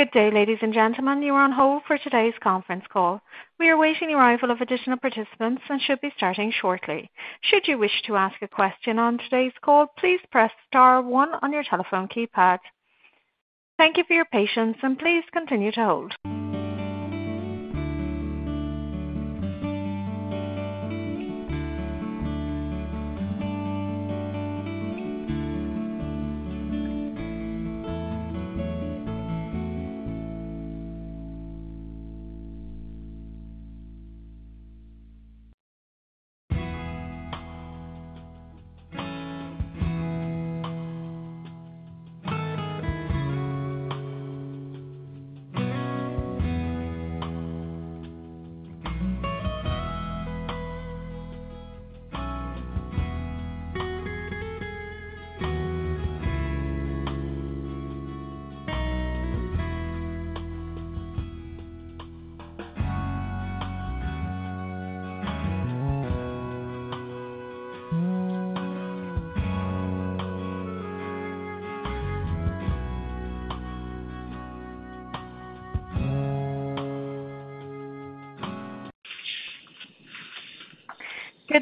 Good day, ladies and gentlemen. You are on hold for today's conference call. We are awaiting the arrival of additional participants and should be starting shortly. Should you wish to ask a question on today's call, please press star one on your telephone keypad. Thank you for your patience, and please continue to hold.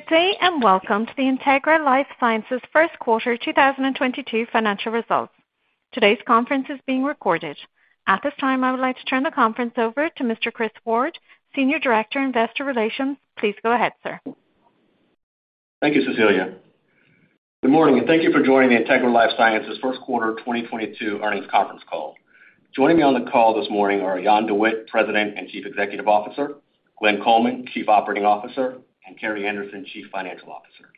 Good day, and welcome to the Integra LifeSciences first quarter 2022 financial results. Today's conference is being recorded. At this time, I would like to turn the conference over to Mr. Chris Ward, Senior Director, Investor Relations. Please go ahead, sir. Thank you, Cecilia. Good morning, and thank you for joining the Integra LifeSciences first quarter 2022 earnings conference call. Joining me on the call this morning are Jan De Witte, President and Chief Executive Officer, Glenn Coleman, Chief Operating Officer, and Carrie Anderson, Chief Financial Officer.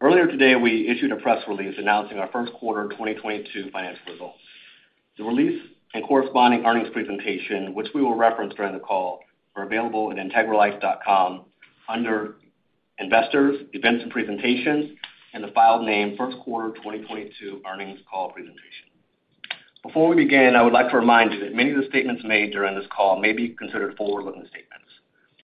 Earlier today, we issued a press release announcing our first quarter 2022 financial results. The release and corresponding earnings presentation, which we will reference during the call, are available at integralife.com under investors, events and presentations, and the file name first quarter 2022 earnings call presentation. Before we begin, I would like to remind you that many of the statements made during this call may be considered forward-looking statements.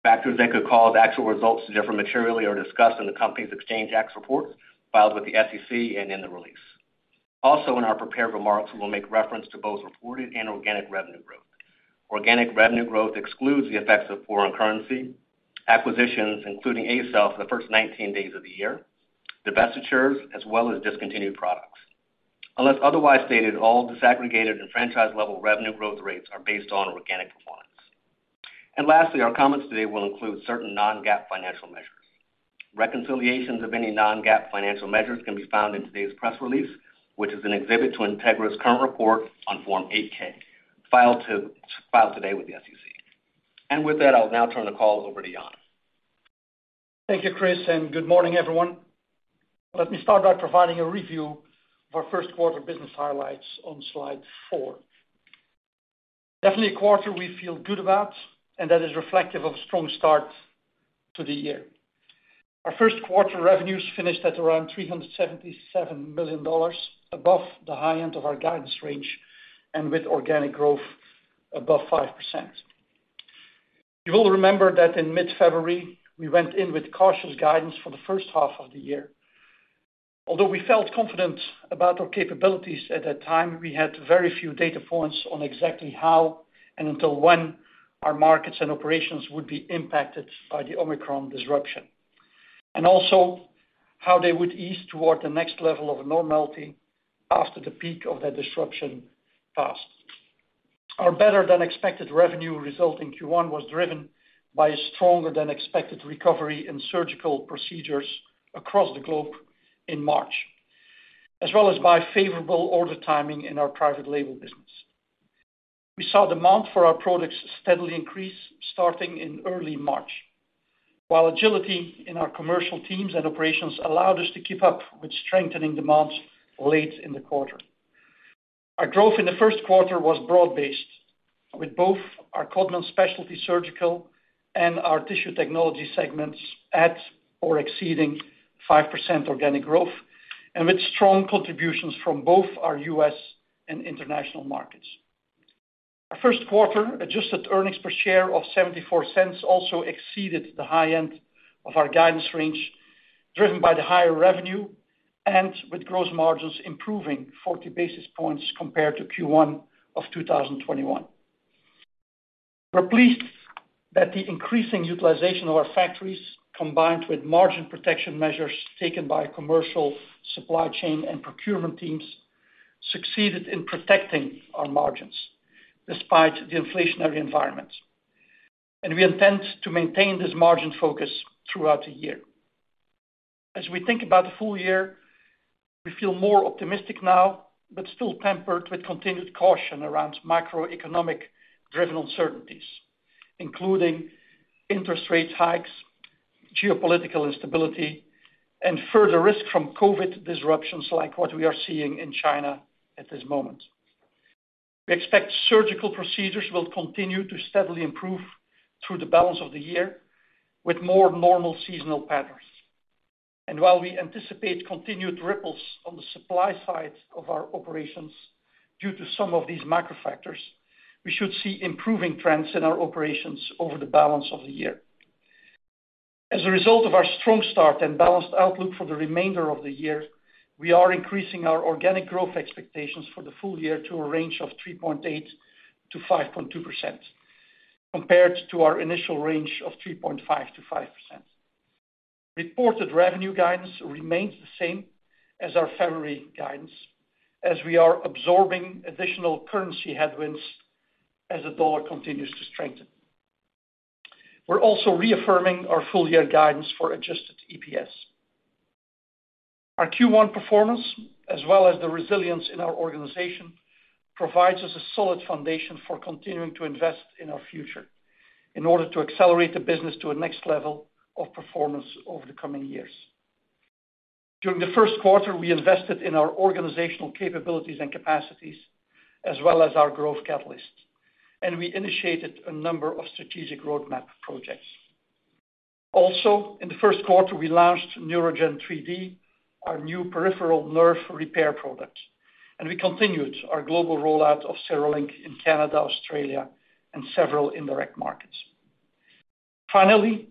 Factors that could cause actual results to differ materially are discussed in the company's Exchange Act reports filed with the SEC and in the release. Also, in our prepared remarks, we'll make reference to both reported and organic revenue growth. Organic revenue growth excludes the effects of foreign currency, acquisitions, including ACell for the first 19 days of the year, divestitures, as well as discontinued products. Unless otherwise stated, all disaggregated and franchise-level revenue growth rates are based on organic performance. Lastly, our comments today will include certain non-GAAP financial measures. Reconciliations of any non-GAAP financial measures can be found in today's press release, which is an exhibit to Integra's current report on Form 8-K, filed today with the SEC. With that, I'll now turn the call over to Jan. Thank you, Chris, and good morning, everyone. Let me start by providing a review of our first quarter business highlights on slide four. Definitely a quarter we feel good about and that is reflective of a strong start to the year. Our first quarter revenues finished at around $377 million, above the high end of our guidance range and with organic growth above 5%. You will remember that in mid-February, we went in with cautious guidance for the first half of the year. Although we felt confident about our capabilities at that time, we had very few data points on exactly how and until when our markets and operations would be impacted by the Omicron disruption, and also how they would ease toward the next level of normality after the peak of that disruption passed. Our better-than-expected revenue result in Q1 was driven by a stronger-than-expected recovery in surgical procedures across the globe in March, as well as by favorable order timing in our private label business. We saw demand for our products steadily increase starting in early March, while agility in our commercial teams and operations allowed us to keep up with strengthening demands late in the quarter. Our growth in the first quarter was broad-based with both our Codman Specialty Surgical and our Tissue Technologies segments at or exceeding 5% organic growth and with strong contributions from both our U.S. and international markets. Our first quarter adjusted earnings per share of $0.74 also exceeded the high end of our guidance range, driven by the higher revenue and with gross margins improving 40 basis points compared to Q1 of 2021. We're pleased that the increasing utilization of our factories, combined with margin protection measures taken by commercial supply chain and procurement teams, succeeded in protecting our margins despite the inflationary environment. We intend to maintain this margin focus throughout the year. As we think about the full year, we feel more optimistic now, but still tempered with continued caution around macroeconomic-driven uncertainties, including interest rate hikes, geopolitical instability, and further risk from COVID disruptions like what we are seeing in China at this moment. We expect surgical procedures will continue to steadily improve through the balance of the year with more normal seasonal patterns. While we anticipate continued ripples on the supply side of our operations due to some of these macro factors, we should see improving trends in our operations over the balance of the year. As a result of our strong start and balanced outlook for the remainder of the year, we are increasing our organic growth expectations for the full year to a range of 3.8%-5.2%, compared to our initial range of 3.5%-5%. Reported revenue guidance remains the same as our February guidance, as we are absorbing additional currency headwinds as the dollar continues to strengthen. We're also reaffirming our full year guidance for Adjusted EPS. Our Q1 performance, as well as the resilience in our organization, provides us a solid foundation for continuing to invest in our future in order to accelerate the business to a next level of performance over the coming years. During the first quarter, we invested in our organizational capabilities and capacities as well as our growth catalyst, and we initiated a number of strategic roadmap projects. Also, in the first quarter, we launched NeuraGen 3D, our new peripheral nerve repair product, and we continued our global rollout of CereLink in Canada, Australia, and several indirect markets. Finally,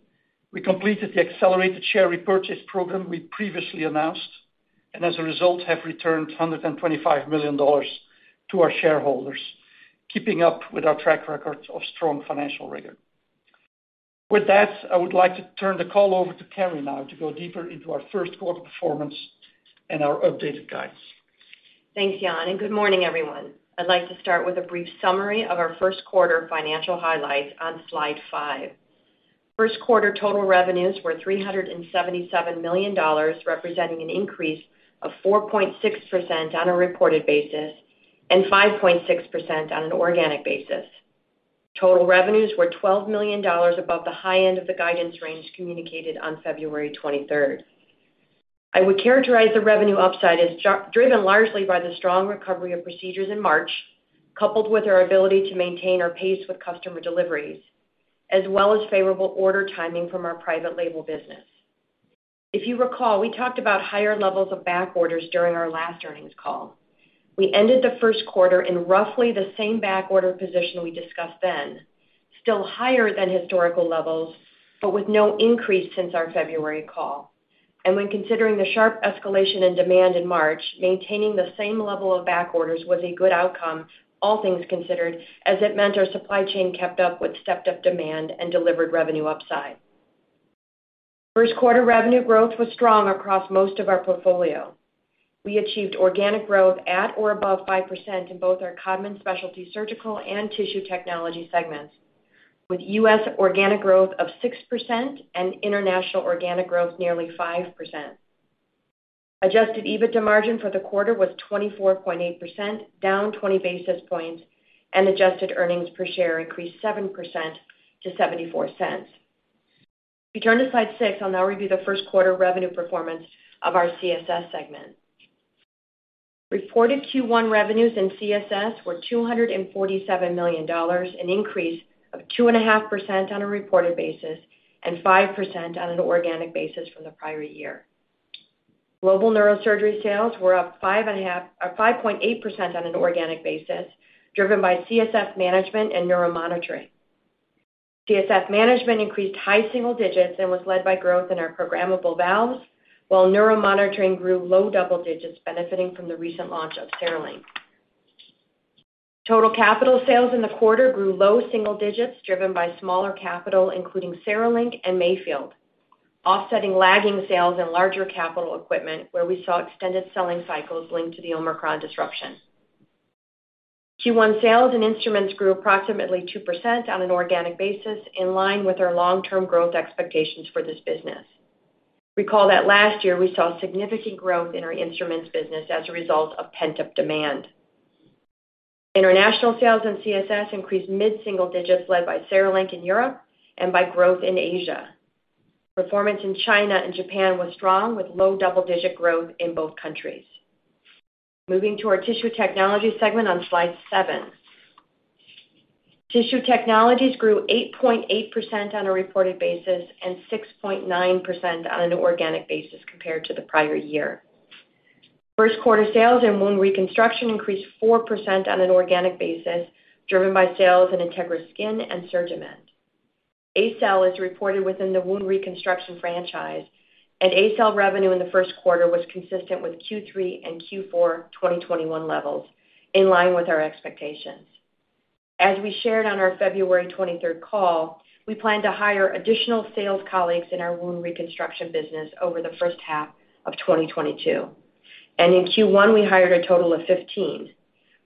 we completed the accelerated share repurchase program we previously announced, and as a result, have returned $125 million to our shareholders, keeping up with our track record of strong financial rigor. With that, I would like to turn the call over to Carrie now to go deeper into our first quarter performance and our updated guidance. Thanks, Jan, and good morning, everyone. I'd like to start with a brief summary of our first quarter financial highlights on slide five. First quarter total revenues were $377 million, representing an increase of 4.6% on a reported basis and 5.6% on an organic basis. Total revenues were $12 million above the high end of the guidance range communicated on February twenty-third. I would characterize the revenue upside as driven largely by the strong recovery of procedures in March, coupled with our ability to maintain our pace with customer deliveries, as well as favorable order timing from our private label business. If you recall, we talked about higher levels of back orders during our last earnings call. We ended the first quarter in roughly the same back-order position we discussed then, still higher than historical levels, but with no increase since our February call. When considering the sharp escalation in demand in March, maintaining the same level of back orders was a good outcome, all things considered, as it meant our supply chain kept up with stepped up demand and delivered revenue upside. First quarter revenue growth was strong across most of our portfolio. We achieved organic growth at or above 5% in both our Codman Specialty Surgical and Tissue Technologies segments, with US organic growth of 6% and international organic growth nearly 5%. Adjusted EBITDA margin for the quarter was 24.8%, down 20 basis points, and adjusted earnings per share increased 7% to $0.74. If we turn to slide six, I'll now review the first quarter revenue performance of our CSS segment. Reported Q1 revenues in CSS were $247 million, an increase of 2.5% on a reported basis and 5% on an organic basis from the prior year. Global neurosurgery sales were up 5.8% on an organic basis, driven by CSS management and neuromonitoring. CSS management increased high single digits and was led by growth in our programmable valves, while neuromonitoring grew low double digits, benefiting from the recent launch of CereLink. Total capital sales in the quarter grew low single digits, driven by smaller capital, including CereLink and Mayfield, offsetting lagging sales in larger capital equipment, where we saw extended selling cycles linked to the Omicron disruption. Q1 sales and instruments grew approximately 2% on an organic basis, in line with our long-term growth expectations for this business. Recall that last year, we saw significant growth in our instruments business as a result of pent-up demand. International sales in CSS increased mid-single digits, led by CereLink in Europe and by growth in Asia. Performance in China and Japan was strong, with low double-digit growth in both countries. Moving to our Tissue Technologies segment on slide seven. Tissue Technologies grew 8.8% on a reported basis and 6.9% on an organic basis compared to the prior year. First quarter sales in wound reconstruction increased 4% on an organic basis, driven by sales in Integra Skin and SurgiMend. ACell is reported within the wound reconstruction franchise, and ACell revenue in the first quarter was consistent with Q3 and Q4 2021 levels, in line with our expectations. As we shared on our February twenty-third call, we plan to hire additional sales colleagues in our wound reconstruction business over the first half of 2022. In Q1, we hired a total of 15.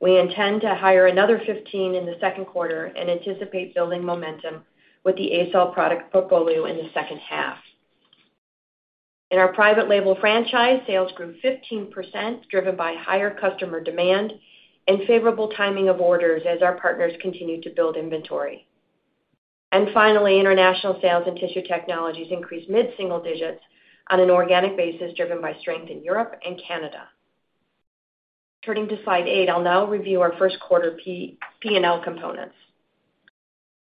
We intend to hire another 15 in the second quarter and anticipate building momentum with the ACell product portfolio in the second half. In our private label franchise, sales grew 15%, driven by higher customer demand and favorable timing of orders as our partners continued to build inventory. Finally, international sales in Tissue Technologies increased mid-single digits on an organic basis, driven by strength in Europe and Canada. Turning to slide eight, I'll now review our first quarter P&L components.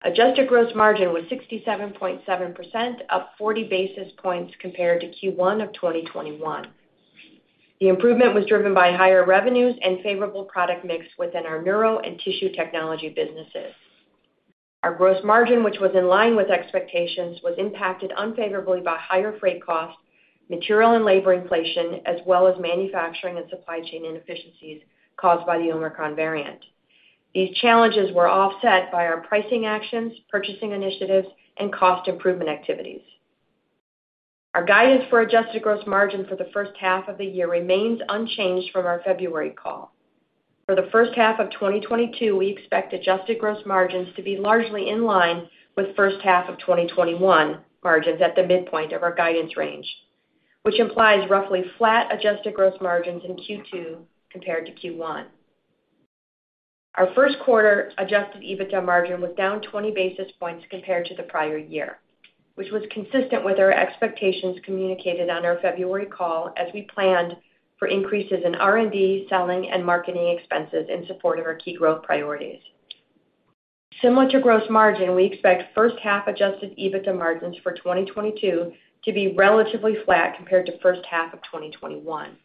Adjusted gross margin was 67.7%, up 40 basis points compared to Q1 of 2021. The improvement was driven by higher revenues and favorable product mix within our neuro and tissue technology businesses. Our gross margin, which was in line with expectations, was impacted unfavorably by higher freight costs, material and labor inflation, as well as manufacturing and supply chain inefficiencies caused by the Omicron variant. These challenges were offset by our pricing actions, purchasing initiatives, and cost improvement activities. Our guidance for adjusted gross margin for the first half of the year remains unchanged from our February call. For the first half of 2022, we expect adjusted gross margins to be largely in line with first half of 2021 margins at the midpoint of our guidance range, which implies roughly flat adjusted gross margins in Q2 compared to Q1. Our first quarter Adjusted EBITDA margin was down 20 basis points compared to the prior year, which was consistent with our expectations communicated on our February call as we planned for increases in R&D, selling, and marketing expenses in support of our key growth priorities. Similar to gross margin, we expect first half Adjusted EBITDA margins for 2022 to be relatively flat compared to first half of 2021.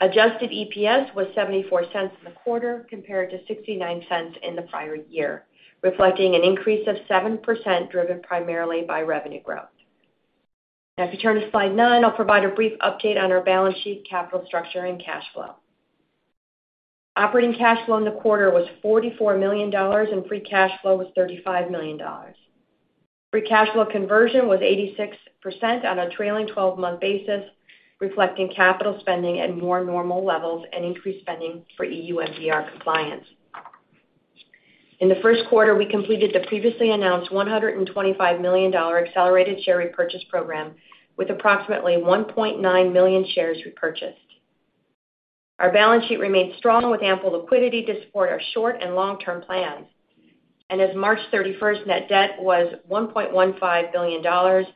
Adjusted EPS was $0.74 in the quarter compared to $0.69 in the prior year, reflecting an increase of 7% driven primarily by revenue growth. Now if you turn to slide nine, I'll provide a brief update on our balance sheet capital structure and cash flow. Operating cash flow in the quarter was $44 million, and free cash flow was $35 million. Free cash flow conversion was 86% on a trailing twelve-month basis, reflecting capital spending at more normal levels and increased spending for EU MDR compliance. In the first quarter, we completed the previously announced $125 million accelerated share repurchase program with approximately 1.9 million shares repurchased. Our balance sheet remains strong with ample liquidity to support our short and long-term plans. As of March 31, net debt was $1.15 billion,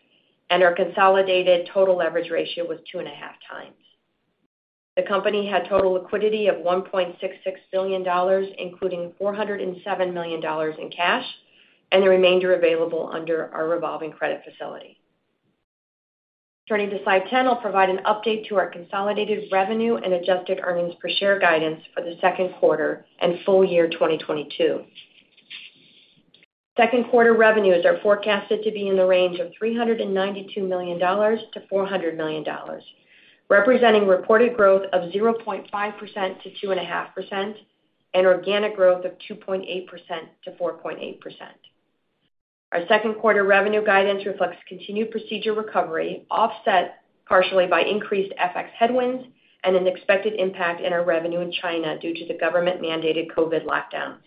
and our consolidated total leverage ratio was 2.5x. The company had total liquidity of $1.66 billion, including $407 million in cash, and the remainder available under our revolving credit facility. Turning to slide 10, I'll provide an update to our consolidated revenue and adjusted earnings per share guidance for the second quarter and full year 2022. Second quarter revenues are forecasted to be in the range of $392 million-$400 million, representing reported growth of 0.5%-2.5% and organic growth of 2.8%-4.8%. Our second quarter revenue guidance reflects continued procedure recovery, offset partially by increased FX headwinds and an expected impact in our revenue in China due to the government-mandated COVID lockdowns.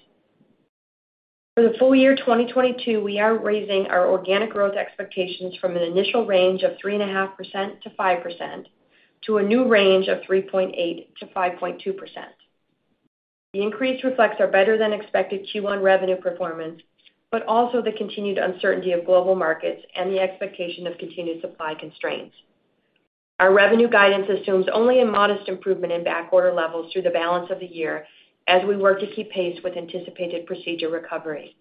For the full year 2022, we are raising our organic growth expectations from an initial range of 3.5%-5% to a new range of 3.8%-5.2%. The increase reflects our better than expected Q1 revenue performance, but also the continued uncertainty of global markets and the expectation of continued supply constraints. Our revenue guidance assumes only a modest improvement in backorder levels through the balance of the year as we work to keep pace with anticipated procedure recovery.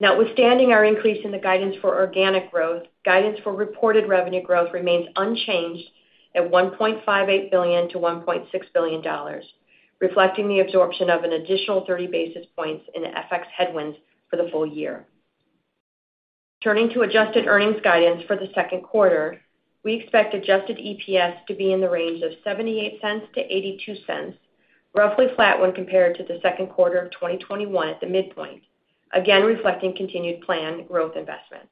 Notwithstanding our increase in the guidance for organic growth, guidance for reported revenue growth remains unchanged at $1.58 billion-$1.6 billion, reflecting the absorption of an additional 30 basis points in FX headwinds for the full year. Turning to adjusted earnings guidance for the second quarter, we expect Adjusted EPS to be in the range of $0.78-$0.82, roughly flat when compared to the second quarter of 2021 at the midpoint, again reflecting continued planned growth investments.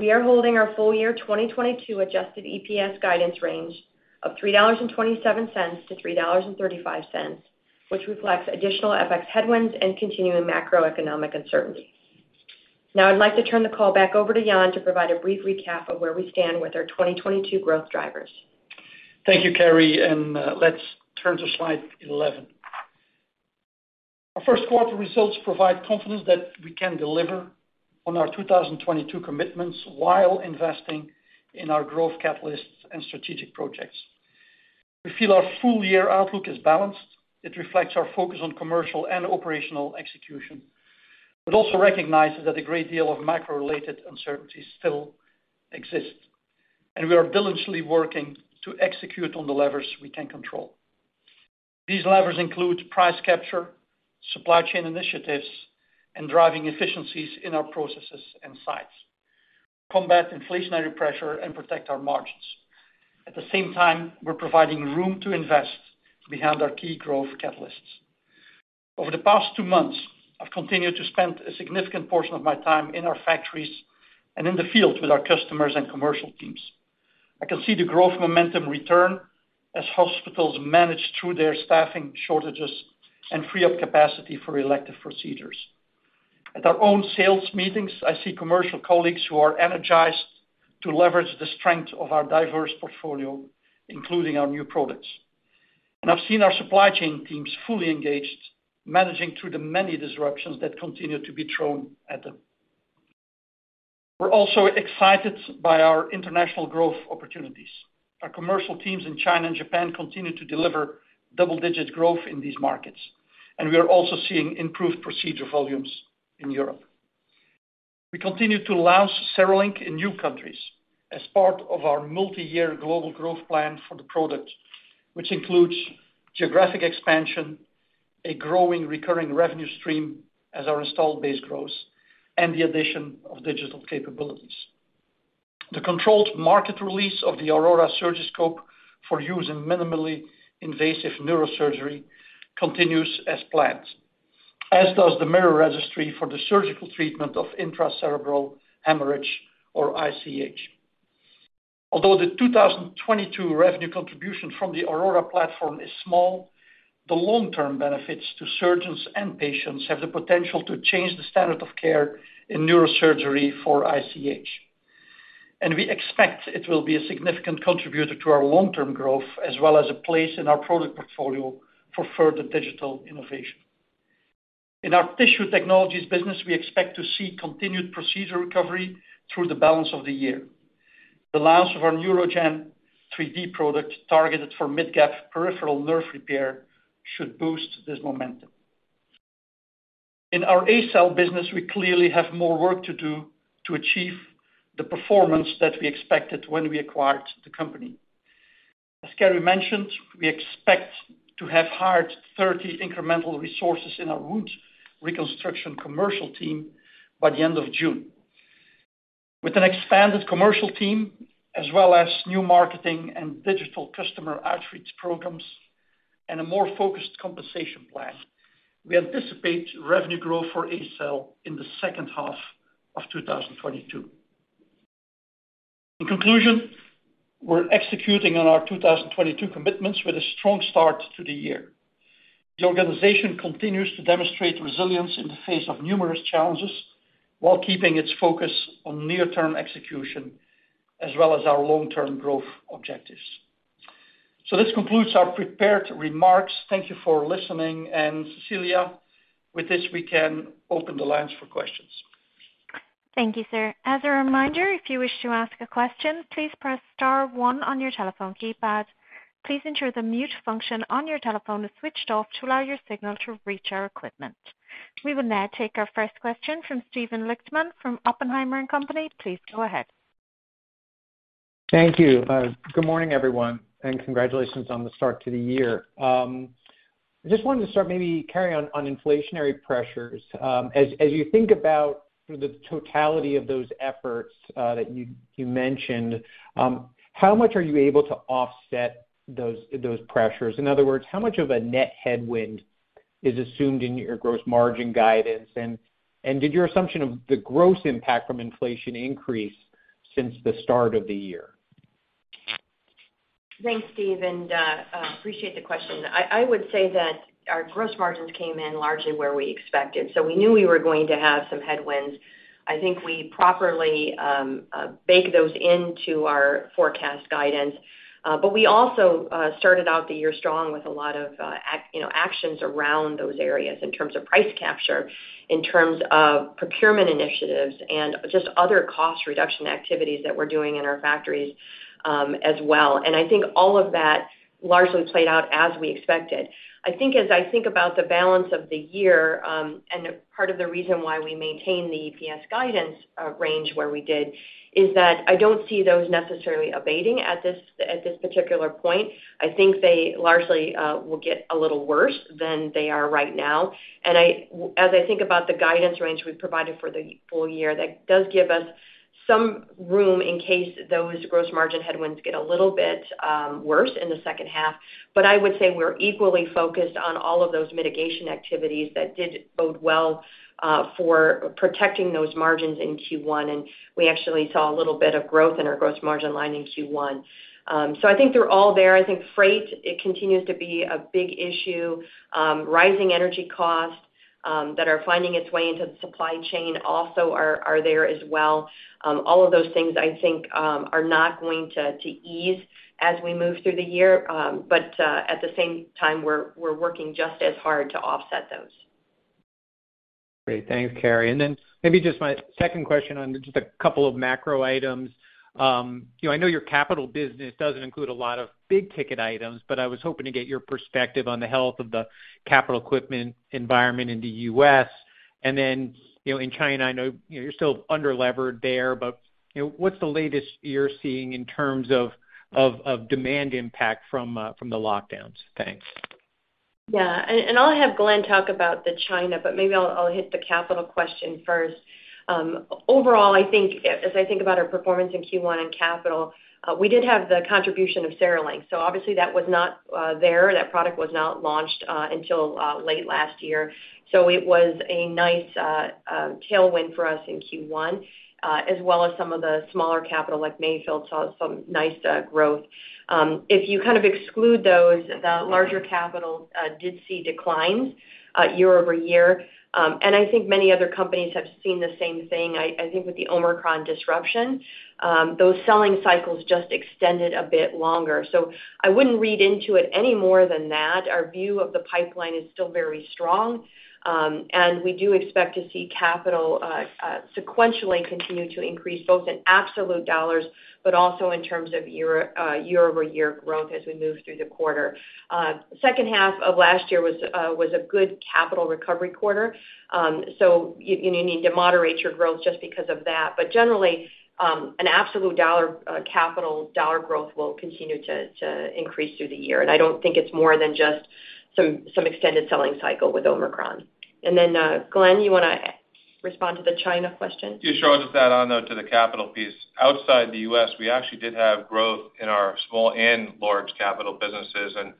We are holding our full year 2022 Adjusted EPS guidance range of $3.27-$3.35, which reflects additional FX headwinds and continuing macroeconomic uncertainty. Now I'd like to turn the call back over to Jan De Witte to provide a brief recap of where we stand with our 2022 growth drivers. Thank you, Carrie, and let's turn to slide 11. Our first quarter results provide confidence that we can deliver on our 2022 commitments while investing in our growth catalysts and strategic projects. We feel our full year outlook is balanced. It reflects our focus on commercial and operational execution, but also recognizes that a great deal of macro-related uncertainty still exists, and we are diligently working to execute on the levers we can control. These levers include price capture, supply chain initiatives, and driving efficiencies in our processes and sites to combat inflationary pressure, and protect our margins. At the same time, we're providing room to invest behind our key growth catalysts. Over the past two months, I've continued to spend a significant portion of my time in our factories and in the field with our customers and commercial teams. I can see the growth momentum return as hospitals manage through their staffing shortages and free up capacity for elective procedures. At our own sales meetings, I see commercial colleagues who are energized to leverage the strength of our diverse portfolio, including our new products. I've seen our supply chain teams fully engaged, managing through the many disruptions that continue to be thrown at them. We're also excited by our international growth opportunities. Our commercial teams in China and Japan continue to deliver double-digit growth in these markets, and we are also seeing improved procedure volumes in Europe. We continue to launch CereLink in new countries as part of our multi-year global growth plan for the product, which includes geographic expansion, a growing recurring revenue stream as our installed base grows, and the addition of digital capabilities. The controlled market release of the Aurora Surgiscope for use in minimally invasive neurosurgery continues as planned, as does the MIRROR registry for the surgical treatment of intracerebral hemorrhage, or ICH. Although the 2022 revenue contribution from the Aurora platform is small, the long-term benefits to surgeons and patients have the potential to change the standard of care in neurosurgery for ICH. We expect it will be a significant contributor to our long-term growth as well as a place in our product portfolio for further digital innovation. In our Tissue Technologies business, we expect to see continued procedure recovery through the balance of the year. The launch of our NeuraGen 3D product, targeted for mid-gap peripheral nerve repair, should boost this momentum. In our ACell business, we clearly have more work to do to achieve the performance that we expected when we acquired the company. As Carrie mentioned, we expect to have hired 30 incremental resources in our tissue reconstruction commercial team by the end of June. With an expanded commercial team as well as new marketing and digital customer outreach programs and a more focused compensation plan, we anticipate revenue growth for ACell in the second half of 2022. In conclusion, we're executing on our 2022 commitments with a strong start to the year. The organization continues to demonstrate resilience in the face of numerous challenges while keeping its focus on near-term execution as well as our long-term growth objectives. This concludes our prepared remarks. Thank you for listening. Cecilia, with this, we can open the lines for questions. Thank you, sir. As a reminder, if you wish to ask a question, please press star one on your telephone keypad. Please ensure the mute function on your telephone is switched off to allow your signal to reach our equipment. We will now take our first question from Steven Lichtman from Oppenheimer & Co. Please go ahead. Thank you. Good morning, everyone, and congratulations on the start to the year. Just wanted to start maybe, Carrie, on inflationary pressures. As you think about the totality of those efforts that you mentioned, how much are you able to offset those pressures? In other words, how much of a net headwind is assumed in your gross margin guidance? Did your assumption of the gross impact from inflation increase since the start of the year? Thanks, Steve, and I appreciate the question. I would say that our gross margins came in largely where we expected, so we knew we were going to have some headwinds. I think we properly baked those into our forecast guidance. We also started out the year strong with a lot of you know, actions around those areas in terms of price capture, in terms of procurement initiatives, and just other cost reduction activities that we're doing in our factories, as well. I think all of that largely played out as we expected. I think about the balance of the year, part of the reason why we maintain the EPS guidance range where we did, is that I don't see those necessarily abating at this particular point. I think they largely will get a little worse than they are right now. I as I think about the guidance range we've provided for the full year, that does give us some room in case those gross margin headwinds get a little bit worse in the second half. I would say we're equally focused on all of those mitigation activities that did bode well for protecting those margins in Q1, and we actually saw a little bit of growth in our gross margin line in Q1. I think they're all there. I think freight it continues to be a big issue. Rising energy costs that are finding its way into the supply chain also are there as well. All of those things I think are not going to to ease as we move through the year. At the same time, we're working just as hard to offset those. Great. Thanks, Carrie. Maybe just my second question on just a couple of macro items. You know, I know your capital business doesn't include a lot of big-ticket items, but I was hoping to get your perspective on the health of the capital equipment environment in the U.S. You know, in China, I know, you know, you're still underleveraged there, but, you know, what's the latest you're seeing in terms of demand impact from the lockdowns? Thanks. Yeah. I'll have Glenn talk about China, but maybe I'll hit the capital question first. Overall, I think as I think about our performance in Q1 in capital, we did have the contribution of CereLink. Obviously that was not there. That product was not launched until late last year. It was a nice tailwind for us in Q1, as well as some of the smaller capital like Mayfield saw some nice growth. If you kind of exclude those, the larger capitals did see declines year-over-year. I think many other companies have seen the same thing. I think with the Omicron disruption, those selling cycles just extended a bit longer. I wouldn't read into it any more than that. Our view of the pipeline is still very strong. We do expect to see capital sequentially continue to increase both in absolute dollars, but also in terms of year-over-year growth as we move through the quarter. Second half of last year was a good capital recovery quarter. You need to moderate your growth just because of that. Generally, an absolute dollar capital dollar growth will continue to increase through the year. I don't think it's more than just some extended selling cycle with Omicron. Glenn, you wanna add? Respond to the China question? Yeah, sure. I'll just add on, though, to the capital piece. Outside the U.S., we actually did have growth in our small and large capital businesses, and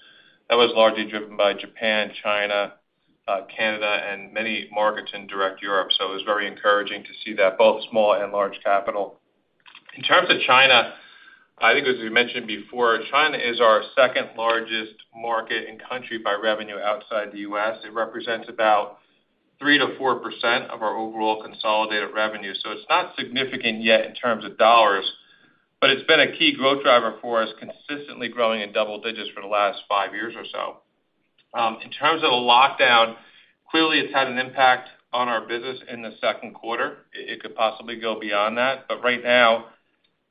that was largely driven by Japan, China, Canada, and many markets in direct Europe. It was very encouraging to see that both small and large capital. In terms of China, I think as we mentioned before, China is our second-largest market and country by revenue outside the U.S. It represents about 3%-4% of our overall consolidated revenue. It's not significant yet in terms of dollars, but it's been a key growth driver for us, consistently growing in double digits for the last five years or so. In terms of the lockdown, clearly, it's had an impact on our business in the second quarter. It could possibly go beyond that. Right now,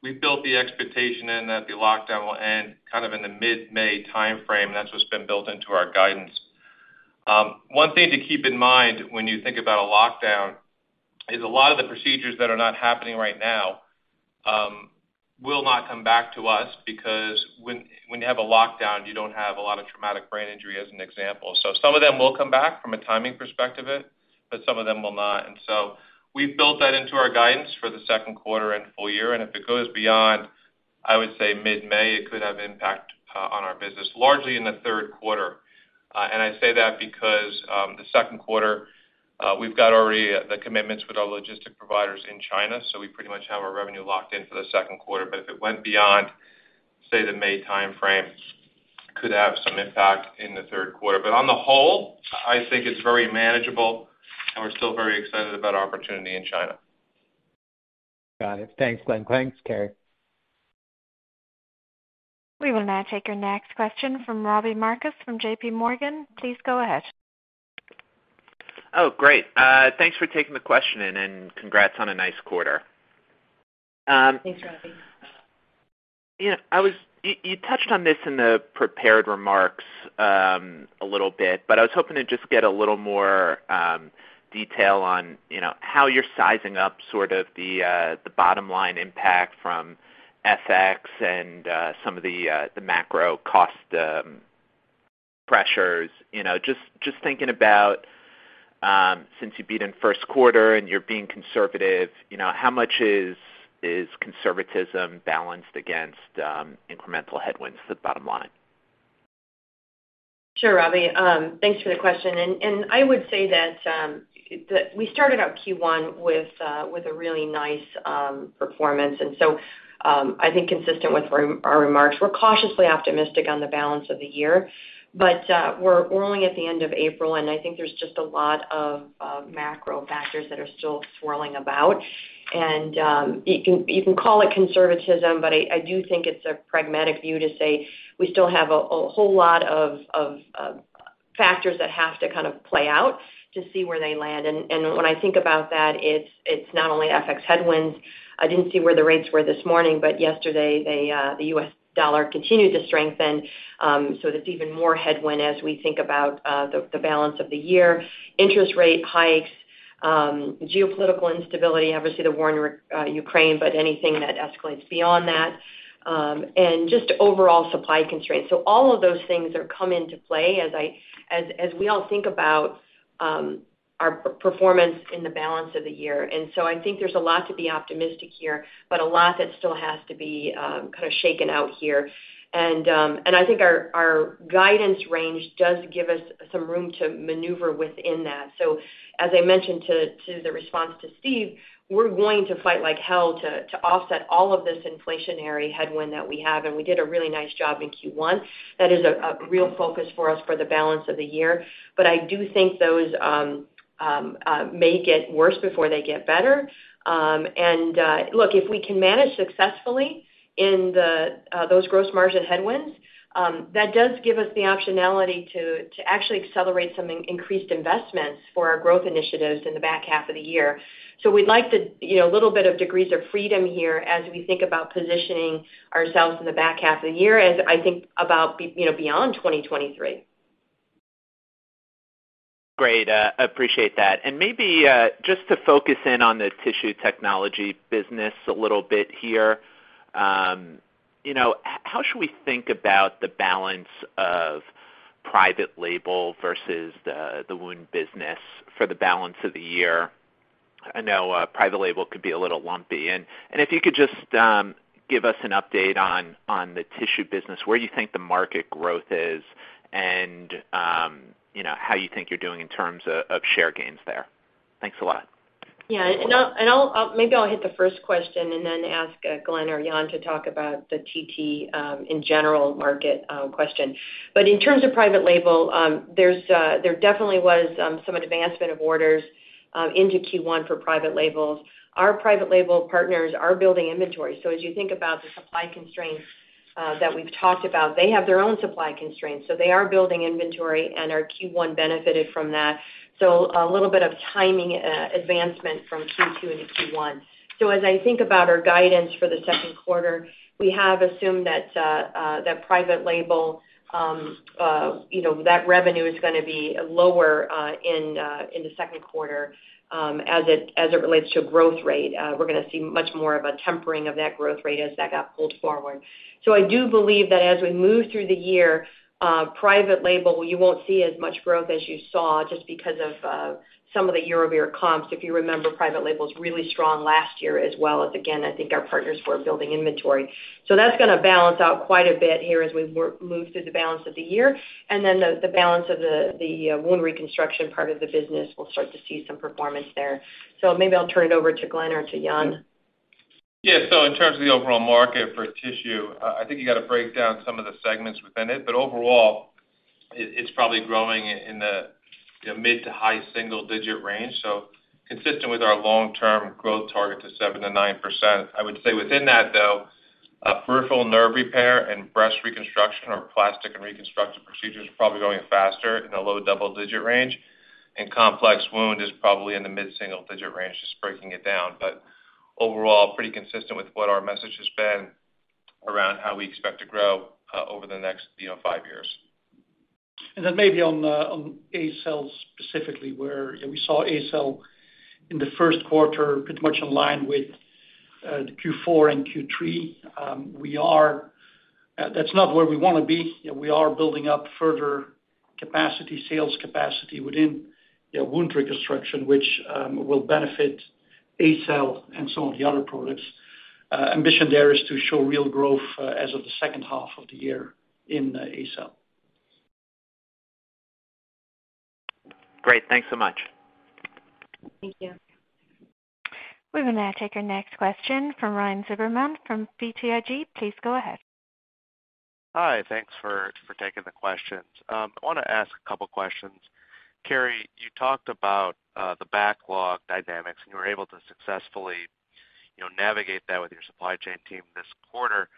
we've built the expectation in that the lockdown will end kind of in the mid-May timeframe. That's what's been built into our guidance. One thing to keep in mind when you think about a lockdown is a lot of the procedures that are not happening right now will not come back to us because when you have a lockdown, you don't have a lot of traumatic brain injury, as an example. So some of them will come back from a timing perspective, but some of them will not. We've built that into our guidance for the second quarter and full year. If it goes beyond, I would say, mid-May, it could have impact on our business, largely in the third quarter. I say that because the second quarter, we've got already the commitments with our logistics providers in China, so we pretty much have our revenue locked in for the second quarter. If it went beyond, say, the May timeframe, could have some impact in the third quarter. On the whole, I think it's very manageable, and we're still very excited about our opportunity in China. Got it. Thanks, Glenn. Thanks, Carrie. We will now take our next question from Robbie Marcus from JPMorgan. Please go ahead. Oh, great. Thanks for taking the question, and then congrats on a nice quarter. Thanks, Robbie. You touched on this in the prepared remarks, a little bit, but I was hoping to just get a little more detail on, you know, how you're sizing up sort of the bottom line impact from FX and some of the macro cost pressures. You know, just thinking about since you beat in first quarter and you're being conservative, you know, how much is conservatism balanced against incremental headwinds to the bottom line? Sure, Robbie. Thanks for the question. I would say that we started out Q1 with a really nice performance. I think consistent with our remarks, we're cautiously optimistic on the balance of the year. We're only at the end of April, and I think there's just a lot of macro factors that are still swirling about. You can call it conservatism, but I do think it's a pragmatic view to say we still have a whole lot of factors that have to kind of play out to see where they land. When I think about that, it's not only FX headwinds. I didn't see where the rates were this morning, but yesterday, they, the US dollar continued to strengthen. That's even more headwind as we think about the balance of the year. Interest rate hikes, geopolitical instability, obviously the war in Ukraine, but anything that escalates beyond that, and just overall supply constraints. All of those things have come into play as we all think about our performance in the balance of the year. I think there's a lot to be optimistic here, but a lot that still has to be kind of shaken out here. I think our guidance range does give us some room to maneuver within that. As I mentioned in response to Steven, we're going to fight like hell to offset all of this inflationary headwind that we have, and we did a really nice job in Q1. That is a real focus for us for the balance of the year. I do think those may get worse before they get better. Look, if we can manage successfully in those gross margin headwinds, that does give us the optionality to actually accelerate some increased investments for our growth initiatives in the back half of the year. We'd like to, you know, a little bit of degrees of freedom here as we think about positioning ourselves in the back half of the year and I think about, you know, beyond 2023. Great. Appreciate that. Maybe, just to focus in on the Tissue Technologies business a little bit here. You know, how should we think about the balance of private label versus the wound business for the balance of the year? I know private label could be a little lumpy. If you could just give us an update on the Tissue business, where you think the market growth is and you know, how you think you're doing in terms of share gains there. Thanks a lot. Yeah. I'll maybe hit the first question and then ask Glenn or Jan to talk about the TT in general market question. In terms of private label, there definitely was some advancement of orders into Q1 for private labels. Our private label partners are building inventory. As you think about the supply constraints that we've talked about, they have their own supply constraints, so they are building inventory, and our Q1 benefited from that. A little bit of timing advancement from Q2 into Q1. As I think about our guidance for the second quarter, we have assumed that private label you know that revenue is gonna be lower in the second quarter as it relates to growth rate. We're gonna see much more of a tempering of that growth rate as that got pulled forward. I do believe that as we move through the year, private label, you won't see as much growth as you saw just because of, some of the year-over-year comps. If you remember, private label's really strong last year as well as, again, I think our partners were building inventory. That's gonna balance out quite a bit here as we move through the balance of the year. Then the balance of the wound reconstruction part of the business, we'll start to see some performance there. Maybe I'll turn it over to Glenn or to Jan. Yeah. In terms of the overall market for tissue, I think you got to break down some of the segments within it, but overall it's probably growing in the, you know, mid- to high single-digit range, so consistent with our long-term growth target to 7%-9%. I would say within that, though, peripheral nerve repair and breast reconstruction or plastic and reconstructive procedures are probably growing faster in the low double-digit range, and complex wound is probably in the mid-single digit range, just breaking it down. Overall, pretty consistent with what our message has been around how we expect to grow, over the next, you know, five years. Maybe on ACell specifically, where we saw ACell in the first quarter pretty much in line with the Q4 and Q3. That's not where we wanna be. We are building up further capacity, sales capacity within wound reconstruction, which will benefit ACell and some of the other products. Ambition there is to show real growth as of the second half of the year in ACell. Great. Thanks so much. Thank you. We will now take our next question from Ryan Zimmerman from BTIG. Please go ahead. Hi. Thanks for taking the questions. I wanna ask a couple questions. Carrie, you talked about the backlog dynamics, and you were able to successfully, you know, navigate that with your supply chain team this quarter.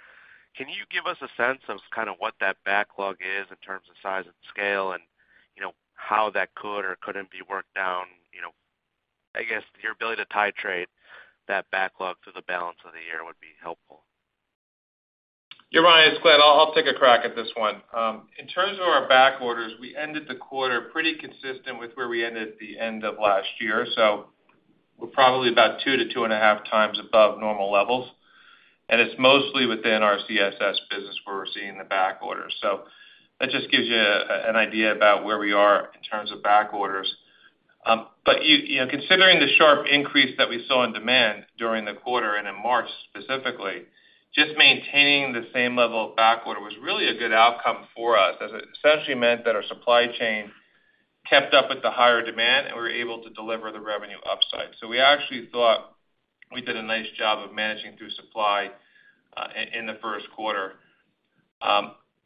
Can you give us a sense of kind of what that backlog is in terms of size and scale and, you know, how that could or couldn't be worked down? You know, I guess your ability to titrate that backlog to the balance of the year would be helpful. Yeah, Ryan, it's Glenn. I'll take a crack at this one. In terms of our back orders, we ended the quarter pretty consistent with where we ended at the end of last year, so we're probably about two-2.5x above normal levels. It's mostly within our CSS business where we're seeing the back orders. That just gives you an idea about where we are in terms of back orders. You know, considering the sharp increase that we saw in demand during the quarter and in March specifically, just maintaining the same level of back order was really a good outcome for us, as it essentially meant that our supply chain kept up with the higher demand, and we were able to deliver the revenue upside. We actually thought we did a nice job of managing through supply in the first quarter.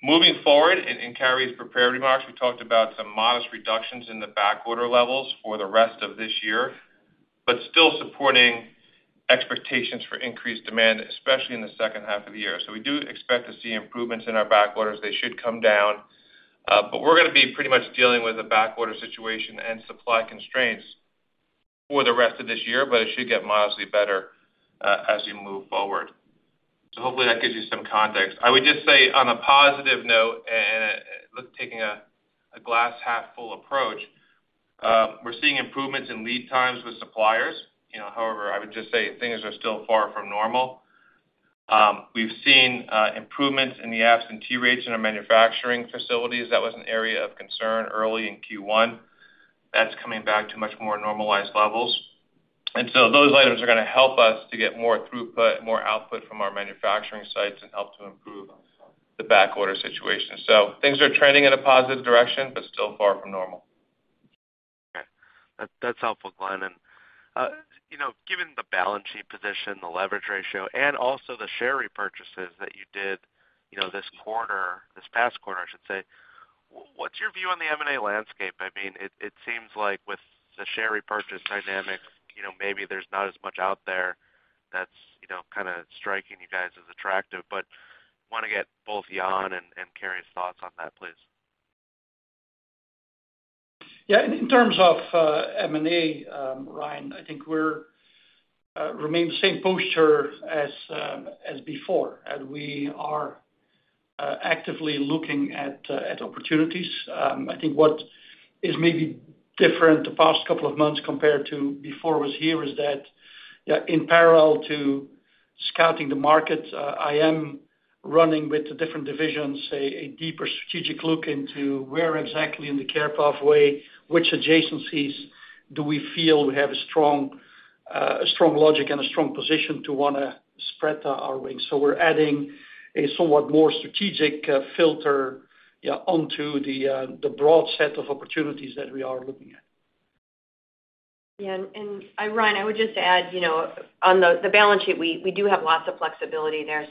Moving forward, in Carrie's prepared remarks, we talked about some modest reductions in the back order levels for the rest of this year, but still supporting expectations for increased demand, especially in the second half of the year. We do expect to see improvements in our back orders. They should come down, but we're gonna be pretty much dealing with a back order situation and supply constraints for the rest of this year, but it should get modestly better, as you move forward. Hopefully that gives you some context. I would just say on a positive note, and with taking a glass half full approach, we're seeing improvements in lead times with suppliers. You know, however, I would just say things are still far from normal. We've seen improvements in the absentee rates in our manufacturing facilities. That was an area of concern early in Q1. That's coming back to much more normalized levels. Those items are gonna help us to get more throughput, more output from our manufacturing sites and help to improve the back order situation. Things are trending in a positive direction, but still far from normal. That's helpful, Glenn. You know, given the balance sheet position, the leverage ratio, and also the share repurchases that you did, you know, this quarter, this past quarter, I should say, what's your view on the M&A landscape? I mean, it seems like with the share repurchase dynamics, you know, maybe there's not as much out there that's, you know, kinda striking you guys as attractive. Wanna get both Jan and Carrie's thoughts on that, please. Yeah. In terms of M&A, Ryan, I think we remain the same posture as before, and we are actively looking at opportunities. I think what is maybe different the past couple of months compared to before was here is that, in parallel to scouting the market, I am running with the different divisions a deeper strategic look into where exactly in the care pathway, which adjacencies do we feel we have a strong logic and a strong position to wanna spread our wings. We're adding a somewhat more strategic filter onto the broad set of opportunities that we are looking at. Yeah, Ryan, I would just add, you know, on the balance sheet, we do have lots of flexibility there.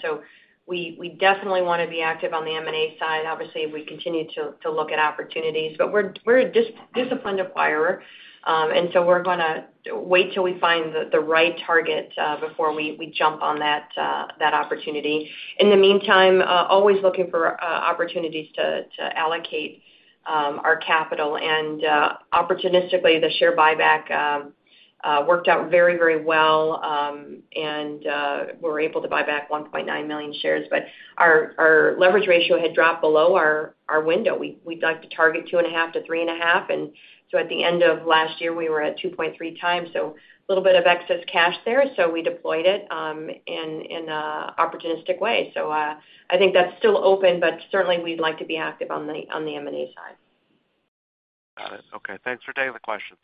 We definitely wanna be active on the M&A side. Obviously, we continue to look at opportunities, but we're a disciplined acquirer. We're gonna wait till we find the right target before we jump on that opportunity. In the meantime, always looking for opportunities to allocate our capital. Opportunistically, the share buyback worked out very, very well. We were able to buy back 1.9 million shares. Our leverage ratio had dropped below our window. We'd like to target 2.5-3.5. At the end of last year, we were at 2.3 x, so a little bit of excess cash there, so we deployed it in an opportunistic way. I think that's still open, but certainly we'd like to be active on the M&A side. Got it. Okay. Thanks for taking the questions.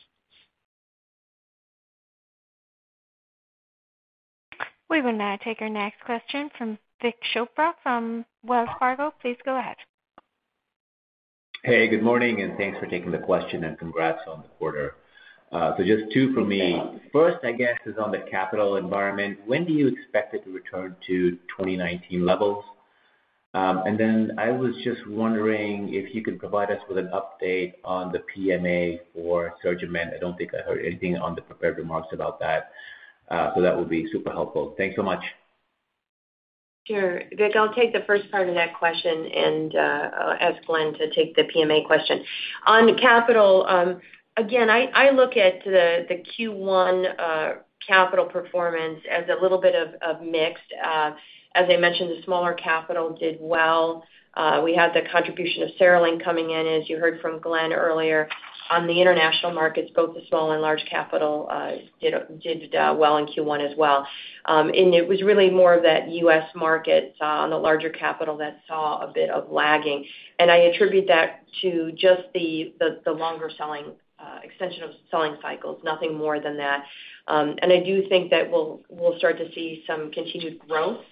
We will now take our next question from Vik Chopra from Wells Fargo. Please go ahead. Hey, good morning, and thanks for taking the question and congrats on the quarter. So just two for me. First, I guess, is on the capital environment. When do you expect it to return to 2019 levels? I was just wondering if you could provide us with an update on the PMA for SurgiMend. I don't think I heard anything on the prepared remarks about that. That would be super helpful. Thanks so much. Sure. Vik, I'll take the first part of that question and ask Glenn to take the PMA question. On capital, again, I look at the Q1 capital performance as a little bit of mixed. As I mentioned, the smaller capital did well. We had the contribution of CereLink coming in, as you heard from Glenn earlier. On the international markets, both the small and large capital did well in Q1 as well. It was really more of that US market on the larger capital that saw a bit of lagging. I attribute that to just the longer selling extension of selling cycles, nothing more than that. I do think that we'll start to see some continued growth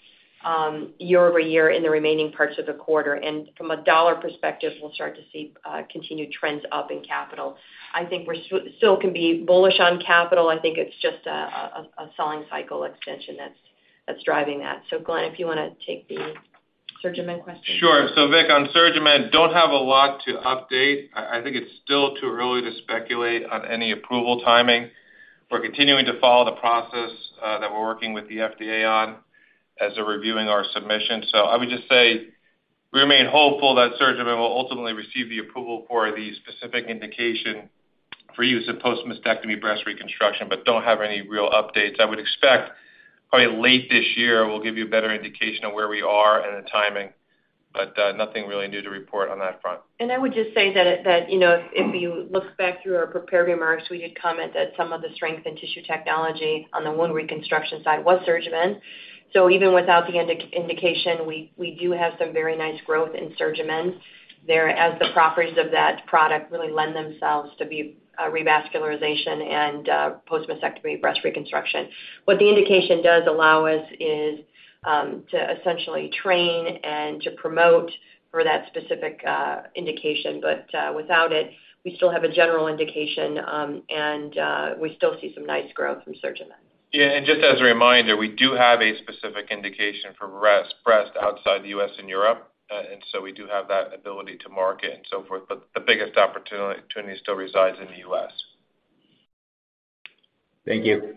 year-over-year in the remaining parts of the quarter. From a dollar perspective, we'll start to see continued trends up in capital. I think still can be bullish on capital. I think it's just a selling cycle extension that's driving that. Glenn, if you wanna take the SurgiMend question. Sure. Vik, on SurgiMend, don't have a lot to update. I think it's still too early to speculate on any approval timing. We're continuing to follow the process that we're working with the FDA on as they're reviewing our submission. I would just say we remain hopeful that SurgiMend will ultimately receive the approval for the specific indication for use of post-mastectomy breast reconstruction, but don't have any real updates. I would expect probably late this year, we'll give you a better indication of where we are and the timing, but nothing really new to report on that front. I would just say that, you know, if you look back through our prepared remarks, we had commented some of the strength in Tissue Technologies on the wound reconstruction side was SurgiMend. Even without the indication, we do have some very nice growth in SurgiMend there, as the properties of that product really lend themselves to be revascularization and post-mastectomy breast reconstruction. What the indication does allow us is to essentially train and to promote for that specific indication. Without it, we still have a general indication and we still see some nice growth from SurgiMend. Yeah, just as a reminder, we do have a specific indication for breast reconstruction outside the U.S. and Europe. We do have that ability to market and so forth, but the biggest opportunity still resides in the U.S. Thank you.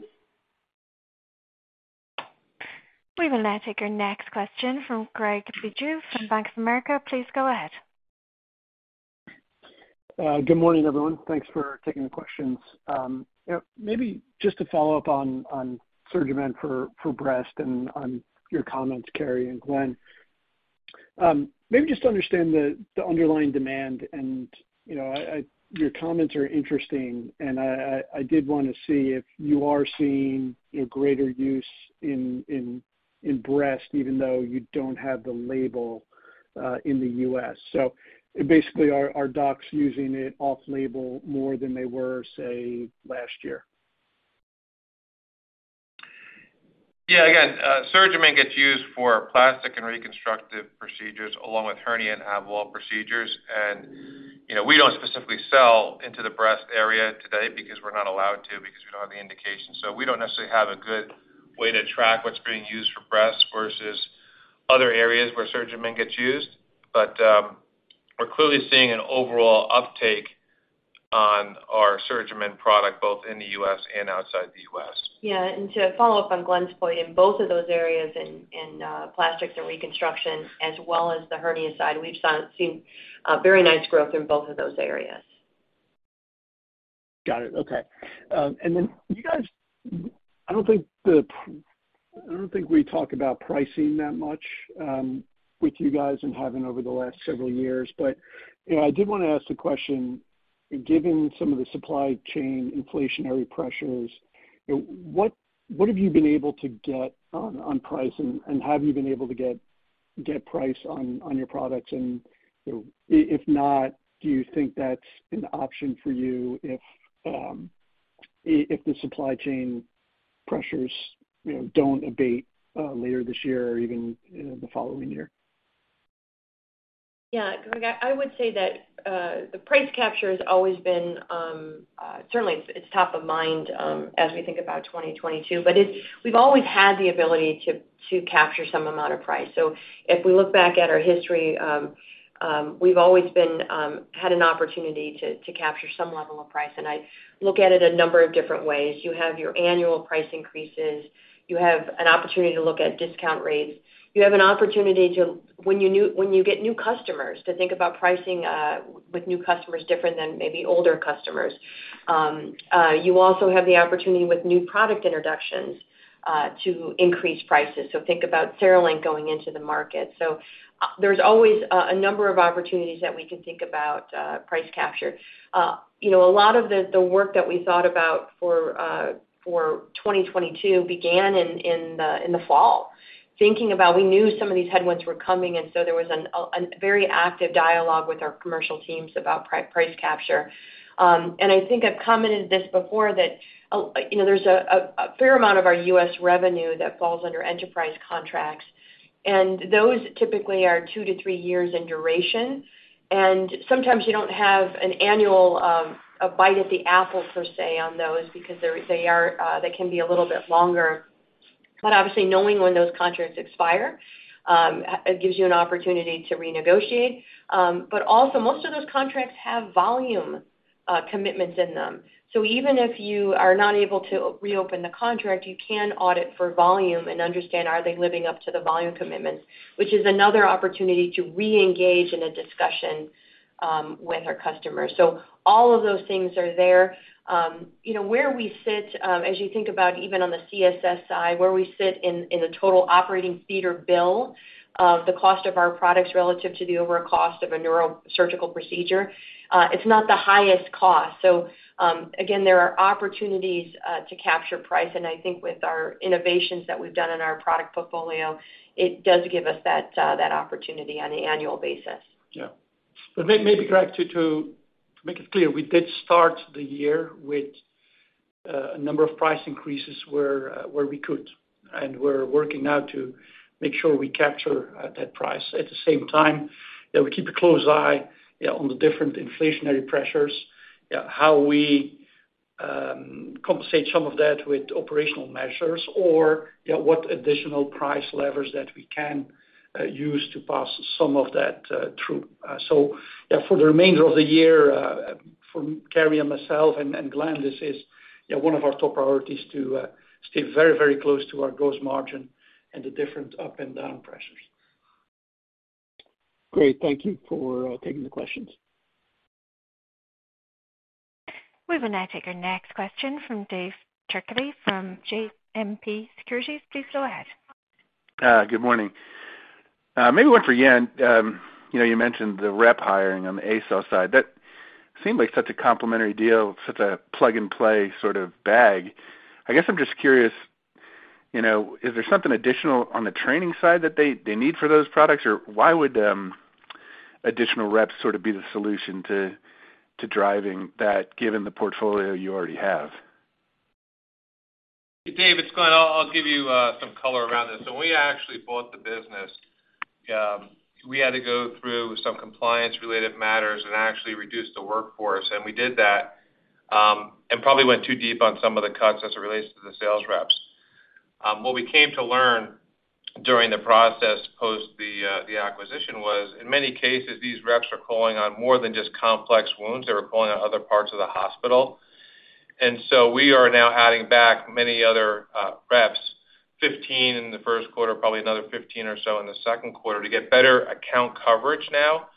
We will now take our next question from Craig Bijou from Bank of America. Please go ahead. Good morning, everyone. Thanks for taking the questions. You know, maybe just to follow up on SurgiMend for breast and on your comments, Carrie and Glenn. Maybe just to understand the underlying demand, and you know, your comments are interesting, and I did wanna see if you are seeing you know, greater use in breast even though you don't have the label in the U.S. Basically, are docs using it off-label more than they were, say, last year? Yeah, again, SurgiMend gets used for plastic and reconstructive procedures along with hernia and abdominal procedures. You know, we don't specifically sell into the breast area today because we're not allowed to because we don't have the indication. We don't necessarily have a good way to track what's being used for breast versus other areas where SurgiMend gets used. We're clearly seeing an overall uptake on our SurgiMend product, both in the U.S. and outside the U.S. Yeah, to follow up on Glenn's point, in both of those areas, in plastics and reconstruction as well as the hernia side, we've seen very nice growth in both of those areas. Got it. Okay. Then you guys, I don't think we talk about pricing that much with you guys and haven't over the last several years. You know, I did wanna ask the question, given some of the supply chain inflationary pressures, what have you been able to get on pricing, and have you been able to get price on your products? You know, if not, do you think that's an option for you if the supply chain pressures don't abate later this year or even the following year? Yeah. Craig, I would say that the price capture has always been certainly it's top of mind as we think about 2022. It's. We've always had the ability to capture some amount of price. If we look back at our history, we've always had an opportunity to capture some level of price. I look at it a number of different ways. You have your annual price increases. You have an opportunity to look at discount rates. You have an opportunity to, when you get new customers, to think about pricing with new customers different than maybe older customers. You also have the opportunity with new product introductions to increase prices. Think about CereLink going into the market. There's always a number of opportunities that we can think about, price capture. You know, a lot of the work that we thought about for 2022 began in the fall. Thinking about, we knew some of these headwinds were coming. There was an very active dialogue with our commercial teams about price capture. I think I've commented this before that, you know, there's a fair amount of our US revenue that falls under enterprise contracts, and those typically are two to three years in duration. Sometimes you don't have an annual bite at the apple, per se, on those because they're a little bit longer. Obviously knowing when those contracts expire gives you an opportunity to renegotiate. Most of those contracts have volume commitments in them. Even if you are not able to reopen the contract, you can audit for volume and understand are they living up to the volume commitments, which is another opportunity to reengage in a discussion with our customers. All of those things are there. You know, where we sit, as you think about even on the CSS side, where we sit in the total operating theater bill, the cost of our products relative to the overall cost of a neurosurgical procedure, it's not the highest cost. Again, there are opportunities to capture price, and I think with our innovations that we've done in our product portfolio, it does give us that opportunity on an annual basis. Yeah. Craig Bijou, to make it clear, we did start the year with a number of price increases where we could. We're working now to make sure we capture that price. At the same time, we keep a close eye on the different inflationary pressures, how we compensate some of that with operational measures or what additional price levers that we can use to pass some of that through. For the remainder of the year, for Carrie and myself and Glenn, this is one of our top priorities to stay very, very close to our gross margin and the different up and down pressures. Great. Thank you for taking the questions. We will now take our next question from Dave Turkaly from JMP Securities. Please go ahead. Good morning. Maybe one for Jan. You know, you mentioned the rep hiring on the ACell side. That seemed like such a complementary deal, such a plug-and-play sort of bag. I guess I'm just curious, you know, is there something additional on the training side that they need for those products? Or why would additional reps sort of be the solution to driving that given the portfolio you already have? Dave, it's Glenn. I'll give you some color around this. We actually bought the business, we had to go through some compliance related matters and actually reduce the workforce. We did that, and probably went too deep on some of the cuts as it relates to the sales reps. What we came to learn during the process post the acquisition was, in many cases, these reps are calling on more than just complex wounds. They were calling on other parts of the hospital. We are now adding back many other reps, 15 in the first quarter, probably another 15 or so in the second quarter to get better account coverage now,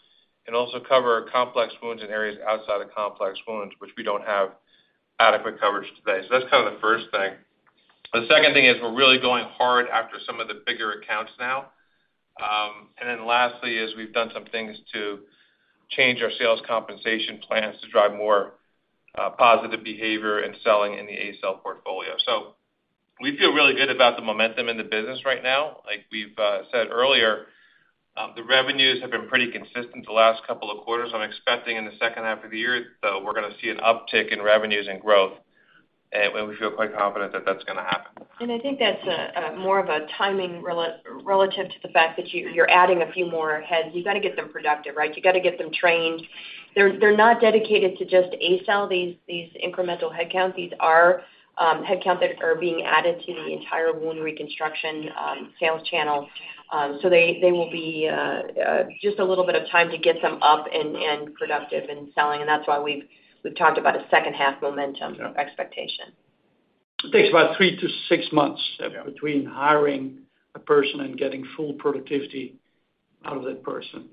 and also cover complex wounds in areas outside of complex wounds, which we don't have adequate coverage today. That's kind of the first thing. The second thing is we're really going hard after some of the bigger accounts now. Lastly we've done some things to change our sales compensation plans to drive more positive behavior and selling in the ACell portfolio. We feel really good about the momentum in the business right now. Like we've said earlier, the revenues have been pretty consistent the last couple of quarters. I'm expecting in the second half of the year, though, we're gonna see an uptick in revenues and growth, and we feel quite confident that that's gonna happen. I think that's more of a timing relative to the fact that you're adding a few more heads. You gotta get them productive, right? You gotta get them trained. They're not dedicated to just ACell, these incremental headcounts. These are headcount that are being added to the entire wound reconstruction sales channel. It will be just a little bit of time to get them up and productive and selling, and that's why we've talked about a second half momentum. Yeah. -expectation. It takes about three-six months. Yeah. Between hiring a person and getting full productivity out of that person.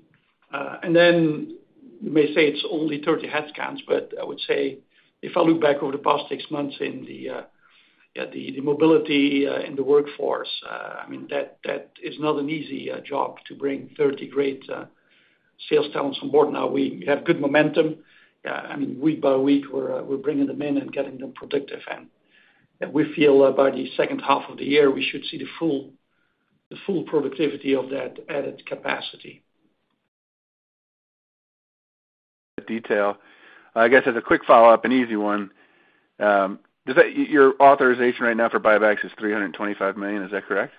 You may say it's only 30 headcounts, but I would say if I look back over the past six months in the mobility in the workforce, I mean, that is not an easy job to bring 30 great sales talents on board. Now, we have good momentum. I mean, week by week, we're bringing them in and getting them productive. We feel by the second half of the year, we should see the full productivity of that added capacity. I guess as a quick follow-up and easy one, does your authorization right now for buybacks is $325 million? Is that correct?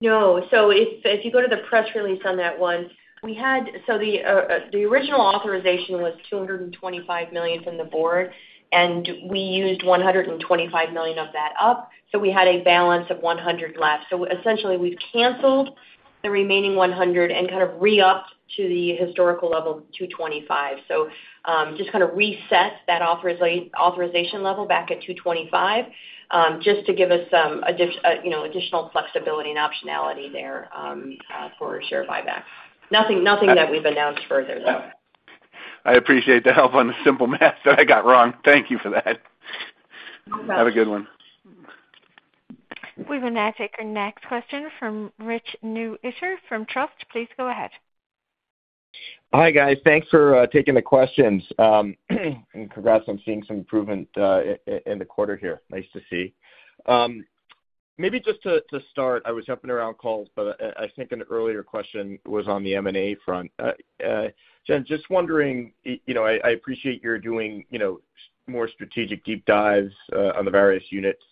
No. If you go to the press release on that one, the original authorization was $225 million from the board, and we used $125 million of that up. We had a balance of $100 million left. Essentially, we've canceled the remaining $100 million and kind of re-upped to the historical level of $225 million. Just kinda reset that authorization level back at $225 million, just to give us some additional flexibility and optionality there, you know, for share buyback. Nothing that we've announced further, though. I appreciate the help on the simple math that I got wrong. Thank you for that. You're welcome. Have a good one. We will now take our next question from Rich Newitter from Truist. Please go ahead. Hi, guys. Thanks for taking the questions. Congrats on seeing some improvement in the quarter here. Nice to see. Maybe just to start, I was jumping around calls, but I think an earlier question was on the M&A front. Jan, just wondering, you know, I appreciate your doing, you know, some strategic deep dives on the various units.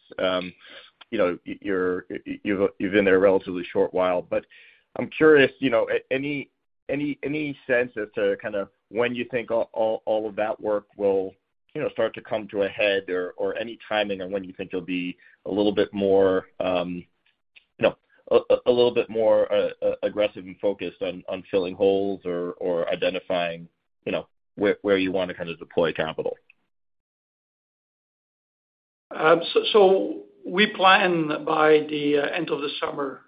You know, you've been there a relatively short while, but I'm curious, you know, any sense as to kind of when you think all of that work will, you know, start to come to a head or any timing on when you think you'll be a little bit more, you know, a little bit more aggressive and focused on filling holes or identifying, you know, where you wanna kind of deploy capital? We plan by the end of the summer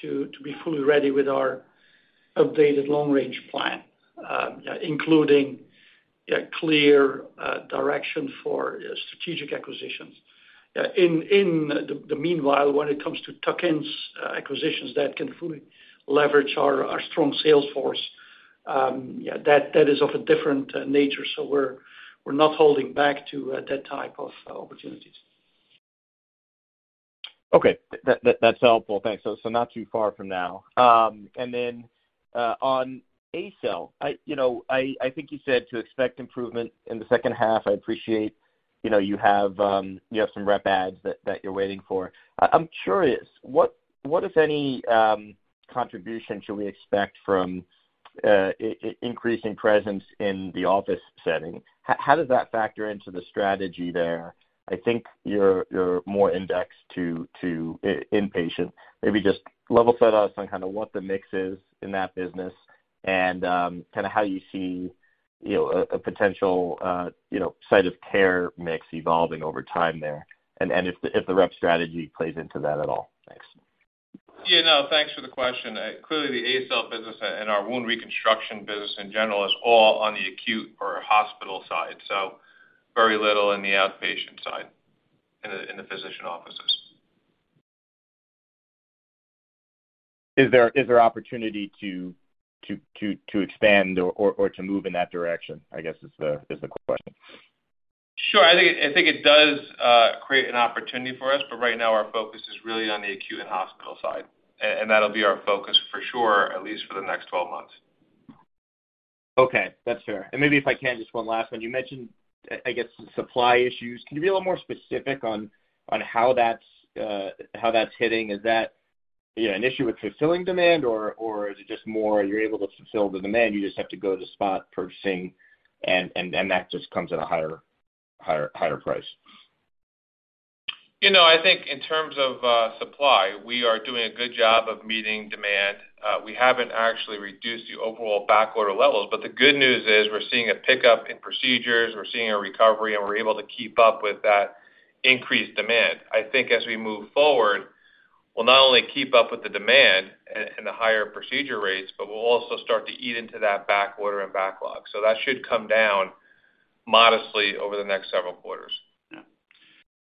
to be fully ready with our updated long range plan, including clear direction for strategic acquisitions. In the meanwhile, when it comes to tuck-ins, acquisitions that can fully leverage our strong sales force, that is of a different nature. We're not holding back on that type of opportunities. Okay. That's helpful. Thanks. Not too far from now. And then on ACell, you know, I think you said to expect improvement in the second half. I appreciate, you know, you have some rep adds that you're waiting for. I'm curious, what, if any, contribution should we expect from increasing presence in the office setting? How does that factor into the strategy there? I think you're more indexed to inpatient. Maybe just level set us on kind of what the mix is in that business and kinda how you see, you know, a potential site of care mix evolving over time there and if the rep strategy plays into that at all. Thanks. Yeah, no, thanks for the question. Clearly the ACell business and our wound reconstruction business in general is all on the acute or hospital side, so very little in the outpatient side, in the physician offices. Is there opportunity to expand or to move in that direction? I guess is the question? Sure. I think it does create an opportunity for us, but right now our focus is really on the acute and hospital side. That'll be our focus for sure, at least for the next 12 months. Okay. That's fair. Maybe if I can, just one last one. You mentioned, I guess, supply issues. Can you be a little more specific on how that's hitting? Is that, you know, an issue with fulfilling demand or is it just more you're able to fulfill the demand, you just have to go to spot purchasing and that just comes at a higher price? You know, I think in terms of supply, we are doing a good job of meeting demand. We haven't actually reduced the overall backorder levels, but the good news is we're seeing a pickup in procedures, we're seeing a recovery, and we're able to keep up with that increased demand. I think as we move forward, we'll not only keep up with the demand and the higher procedure rates, but we'll also start to eat into that backorder and backlog. That should come down modestly over the next several quarters. Yeah.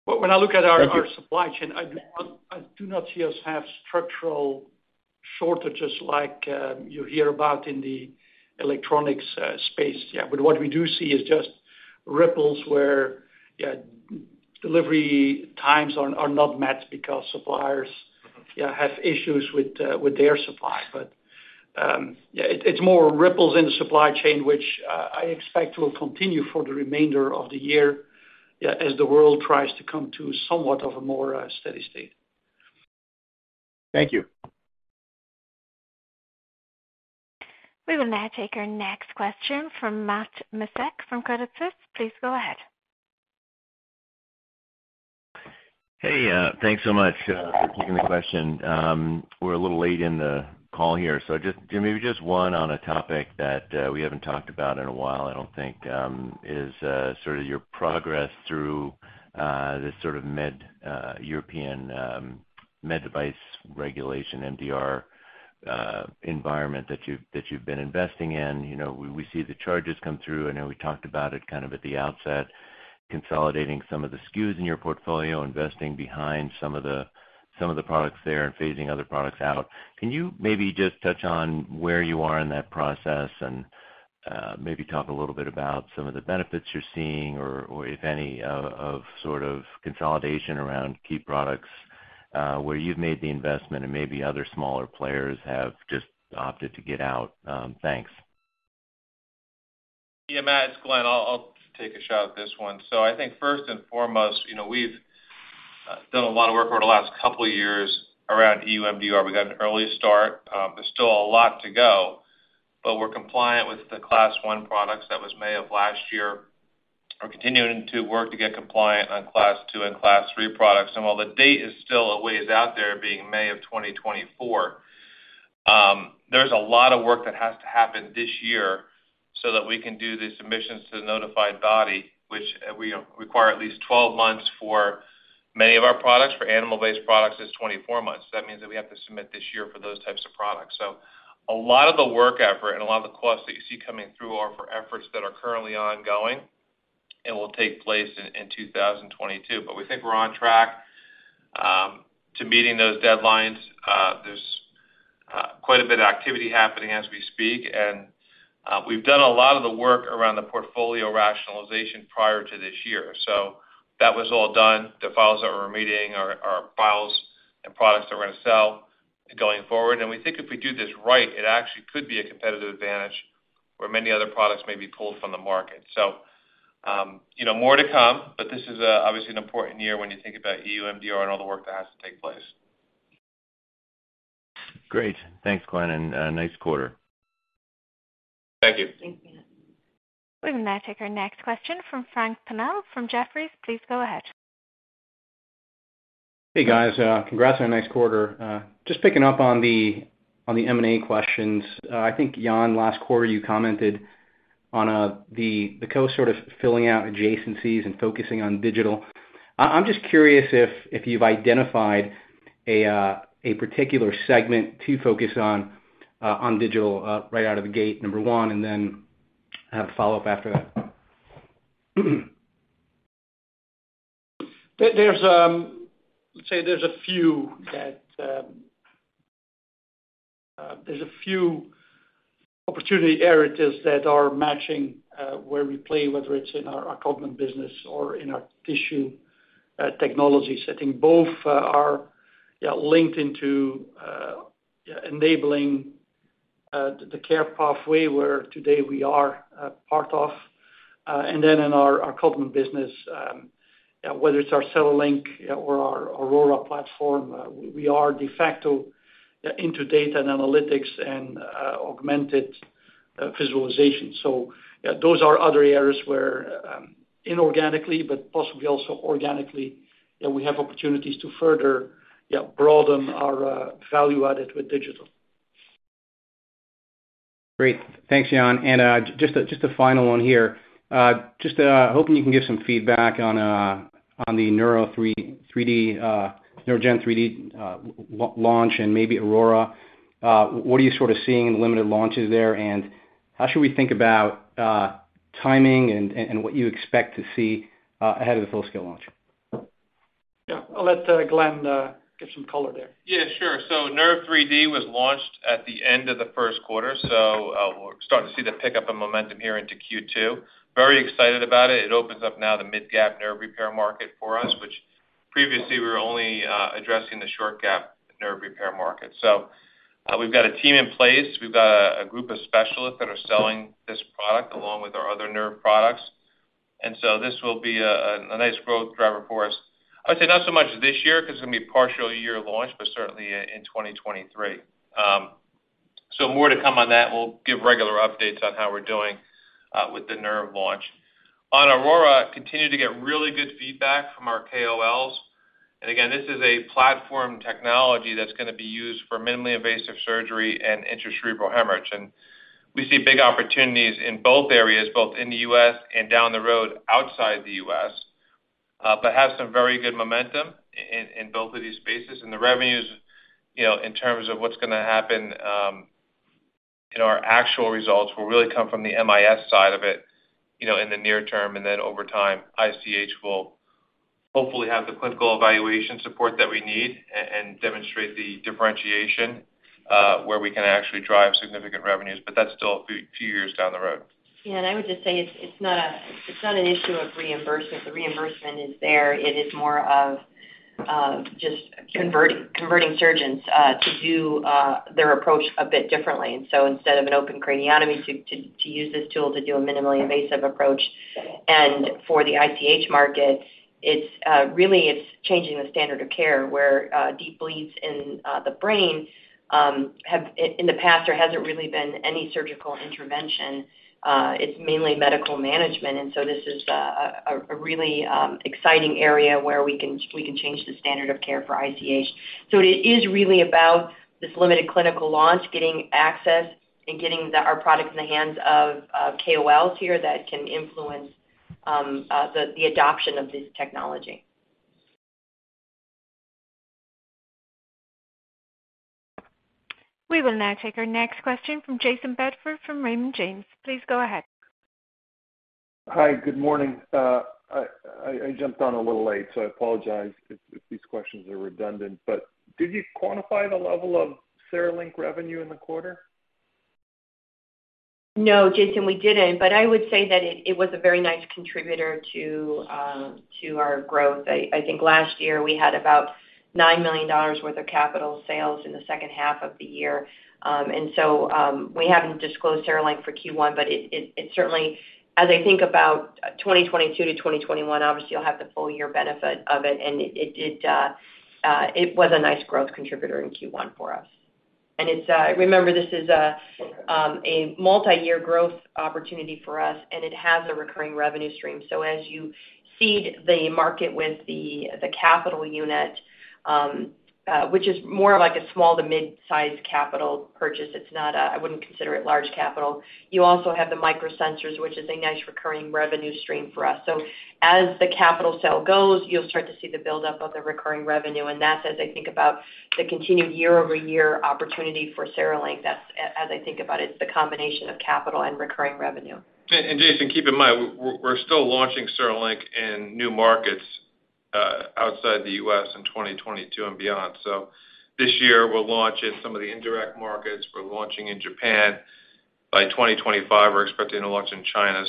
When I look at our Thank you. Our supply chain, I do not see us have structural shortages like you hear about in the electronics space. What we do see is just ripples where delivery times are not met because suppliers have issues with their supply. It's more ripples in the supply chain, which I expect will continue for the remainder of the year as the world tries to come to somewhat of a more steady state. Thank you. We will now take our next question from Matt Miksic from Credit Suisse. Please go ahead. Hey, thanks so much for taking the question. We're a little late in the call here. Just Jan, maybe just one on a topic that we haven't talked about in a while, I don't think, is sort of your progress through this sort of EU MDR environment that you've been investing in. You know, we see the charges come through. I know we talked about it kind of at the outset, consolidating some of the SKUs in your portfolio, investing behind some of the products there and phasing other products out. Can you maybe just touch on where you are in that process and, maybe talk a little bit about some of the benefits you're seeing or if any of sort of consolidation around key products, where you've made the investment and maybe other smaller players have just opted to get out? Thanks. Yeah, Matt, it's Glenn. I'll take a shot at this one. I think first and foremost, you know, we've done a lot of work over the last couple years around EU MDR. We got an early start. There's still a lot to go, but we're compliant with the Class One products. That was May of last year. We're continuing to work to get compliant on Class Two and Class Three products. While the date is still a ways out there, being May of 2024, there's a lot of work that has to happen this year so that we can do the submissions to the notified body, which we require at least 12 months for many of our products. For animal-based products, it's 24 months. That means that we have to submit this year for those types of products. A lot of the work effort and a lot of the costs that you see coming through are for efforts that are currently ongoing and will take place in 2022. We think we're on track to meeting those deadlines. There's quite a bit of activity happening as we speak, and we've done a lot of the work around the portfolio rationalization prior to this year. That was all done. The files that we're meeting are files and products that we're gonna sell going forward. We think if we do this right, it actually could be a competitive advantage where many other products may be pulled from the market. You know, more to come, but this is obviously an important year when you think about EU MDR and all the work that has to take place. Great. Thanks, Glenn, and nice quarter. Thank you. Thanks, Glenn. We will now take our next question from Frank Cameron from Jefferies. Please go ahead. Hey, guys. Congrats on a nice quarter. Just picking up on the M&A questions. I think, Jan, last quarter you commented on the Codman sort of filling out adjacencies and focusing on digital. I'm just curious if you've identified a particular segment to focus on digital right out of the gate, number one, and then I have a follow-up after that. There are a few opportunity areas that are matching where we play, whether it's in our Codman business or in our Tissue Technologies segment. Both are linked into enabling the care pathway where today we are part of and then in our Codman business, whether it's our CereLink or our Aurora platform, we are de facto into data and analytics and augmented visualization. Those are other areas where, inorganically but possibly also organically, we have opportunities to further broaden our value added with digital. Great. Thanks, Jan. Just a final one here. Just hoping you can give some feedback on the NeuraGen 3D launch and maybe Aurora. What are you sort of seeing in the limited launches there, and how should we think about timing and what you expect to see ahead of the full-scale launch? Yeah. I'll let Glenn give some color there. Yeah, sure. NeuraGen 3D was launched at the end of the first quarter. We're starting to see the pickup and momentum here into Q2. Very excited about it. It opens up now the mid-gap nerve repair market for us, which previously we were only addressing the short gap nerve repair market. We've got a team in place. We've got a group of specialists that are selling this product along with our other nerve products. This will be a nice growth driver for us. I would say not so much this year, 'cause it's gonna be a partial year launch, but certainly in 2023. More to come on that. We'll give regular updates on how we're doing with the nerve launch. On Aurora, continue to get really good feedback from our KOLs. Again, this is a platform technology that's gonna be used for minimally invasive surgery and intracerebral hemorrhage. We see big opportunities in both areas, both in the U.S. and down the road outside the U.S., but have some very good momentum in both of these spaces. The revenues, you know, in terms of what's gonna happen, in our actual results will really come from the MIS side of it, you know, in the near term, and then over time, ICH will hopefully have the clinical evaluation support that we need and demonstrate the differentiation, where we can actually drive significant revenues, but that's still a few years down the road. Yeah. I would just say it's not an issue of reimbursement. The reimbursement is there. It is more of just converting surgeons to do their approach a bit differently. Instead of an open craniotomy to use this tool to do a minimally invasive approach. For the ICH market, it's really changing the standard of care, where deep bleeds in the brain in the past there hasn't really been any surgical intervention. It's mainly medical management. This is a really exciting area where we can change the standard of care for ICH. It is really about this limited clinical launch, getting access and getting our product in the hands of KOLs here that can influence the adoption of this technology. We will now take our next question from Jayson Bedford from Raymond James. Please go ahead. Hi. Good morning. I jumped on a little late, so I apologize if these questions are redundant. Did you quantify the level of CereLink revenue in the quarter? No, Jayson, we didn't, but I would say that it was a very nice contributor to our growth. I think last year we had about $9 million worth of capital sales in the second half of the year. We haven't disclosed CereLink for Q1, but it certainly. As I think about 2022-2021, obviously you'll have the full year benefit of it, and it was a nice growth contributor in Q1 for us. It's remember this is a multi-year growth opportunity for us, and it has a recurring revenue stream. As you seed the market with the capital unit, which is more of like a small to mid-sized capital purchase, it's not. I wouldn't consider it large capital. You also have the microsensors, which is a nice recurring revenue stream for us. As the capital sale goes, you'll start to see the buildup of the recurring revenue, and that's as I think about the continued year-over-year opportunity for CereLink. As I think about it's the combination of capital and recurring revenue. Jayson, keep in mind, we're still launching CereLink in new markets outside the U.S. in 2022 and beyond. This year, we're launching some of the indirect markets. We're launching in Japan. By 2025, we're expecting to launch in China.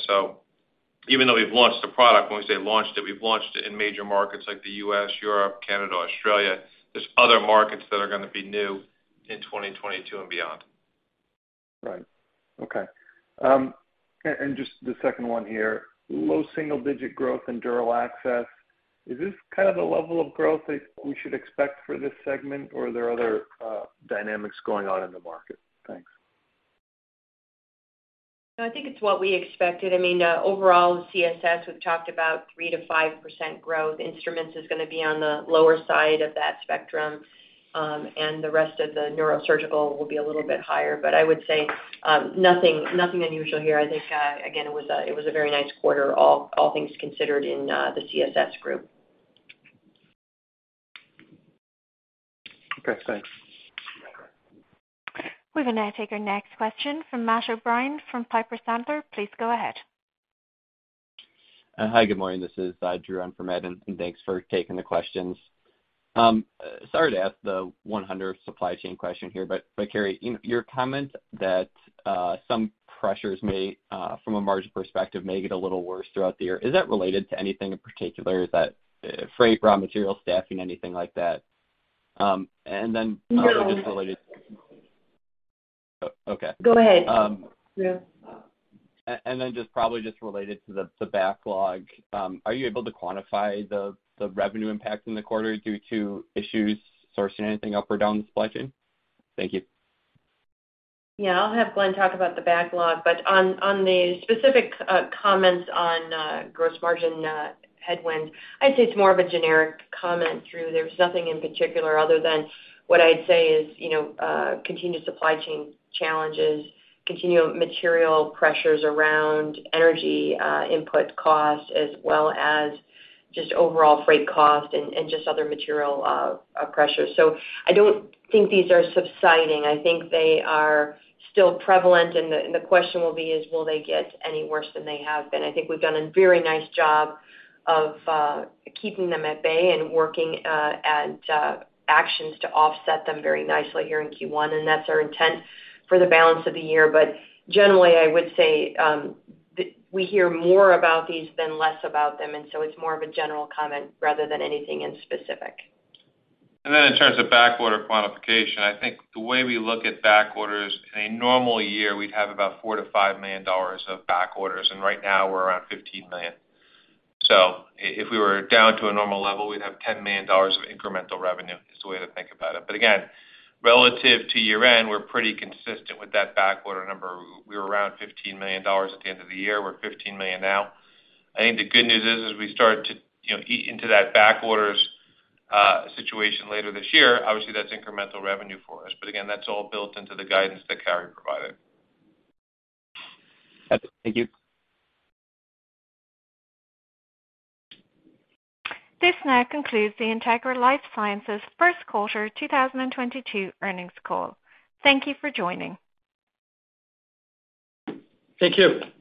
Even though we've launched the product, when we say launched it, we've launched it in major markets like the U.S., Europe, Canada, Australia. There's other markets that are gonna be new in 2022 and beyond. Right. Okay. And just the second one here, low single-digit growth in dural access. Is this kind of the level of growth that we should expect for this segment, or are there other dynamics going on in the market? Thanks. No, I think it's what we expected. I mean, overall, CSS, we've talked about 3%-5% growth. Instruments is gonna be on the lower side of that spectrum, and the rest of the neurosurgical will be a little bit higher. I would say, nothing unusual here. I think, again, it was a very nice quarter, all things considered in the CSS group. Okay, thanks. We will now take our next question from Matt O'Brien from Piper Sandler. Please go ahead. Hi, good morning. This is Drew. I'm from Morgan Stanley, and thanks for taking the questions. Sorry to ask the 100 supply chain question here, but Carrie, you know, your comment that some pressures may, from a margin perspective, get a little worse throughout the year, is that related to anything in particular? Is that freight, raw material, staffing, anything like that? And then- Go ahead. Okay. Go ahead. Drew. Then just probably just related to the backlog, are you able to quantify the revenue impact in the quarter due to issues sourcing anything up or down the supply chain? Thank you. Yeah, I'll have Glenn talk about the backlog. On the specific comments on gross margin headwind, I'd say it's more of a generic comment, Drew. There's nothing in particular other than what I'd say is, you know, continued supply chain challenges, continued material pressures around energy input costs, as well as just overall freight costs and just other material pressures. I don't think these are subsiding. I think they are still prevalent, and the question will be is, will they get any worse than they have been? I think we've done a very nice job of keeping them at bay and working at actions to offset them very nicely here in Q1, and that's our intent for the balance of the year. Generally, I would say we hear more about these than less about them, and so it's more of a general comment rather than anything in specific. Then in terms of back order quantification, I think the way we look at back orders, in a normal year, we'd have about $4 million-$5 million of back orders, and right now, we're around $15 million. If we were down to a normal level, we'd have $10 million of incremental revenue, is the way to think about it. Again, relative to year-end, we're pretty consistent with that back order number. We're around $15 million at the end of the year. We're $15 million now. I think the good news is, as we start to, you know, eat into that back orders situation later this year, obviously, that's incremental revenue for us. Again, that's all built into the guidance that Carrie provided. That's it. Thank you. This now concludes the Integra LifeSciences first quarter 2022 earnings call. Thank you for joining. Thank you.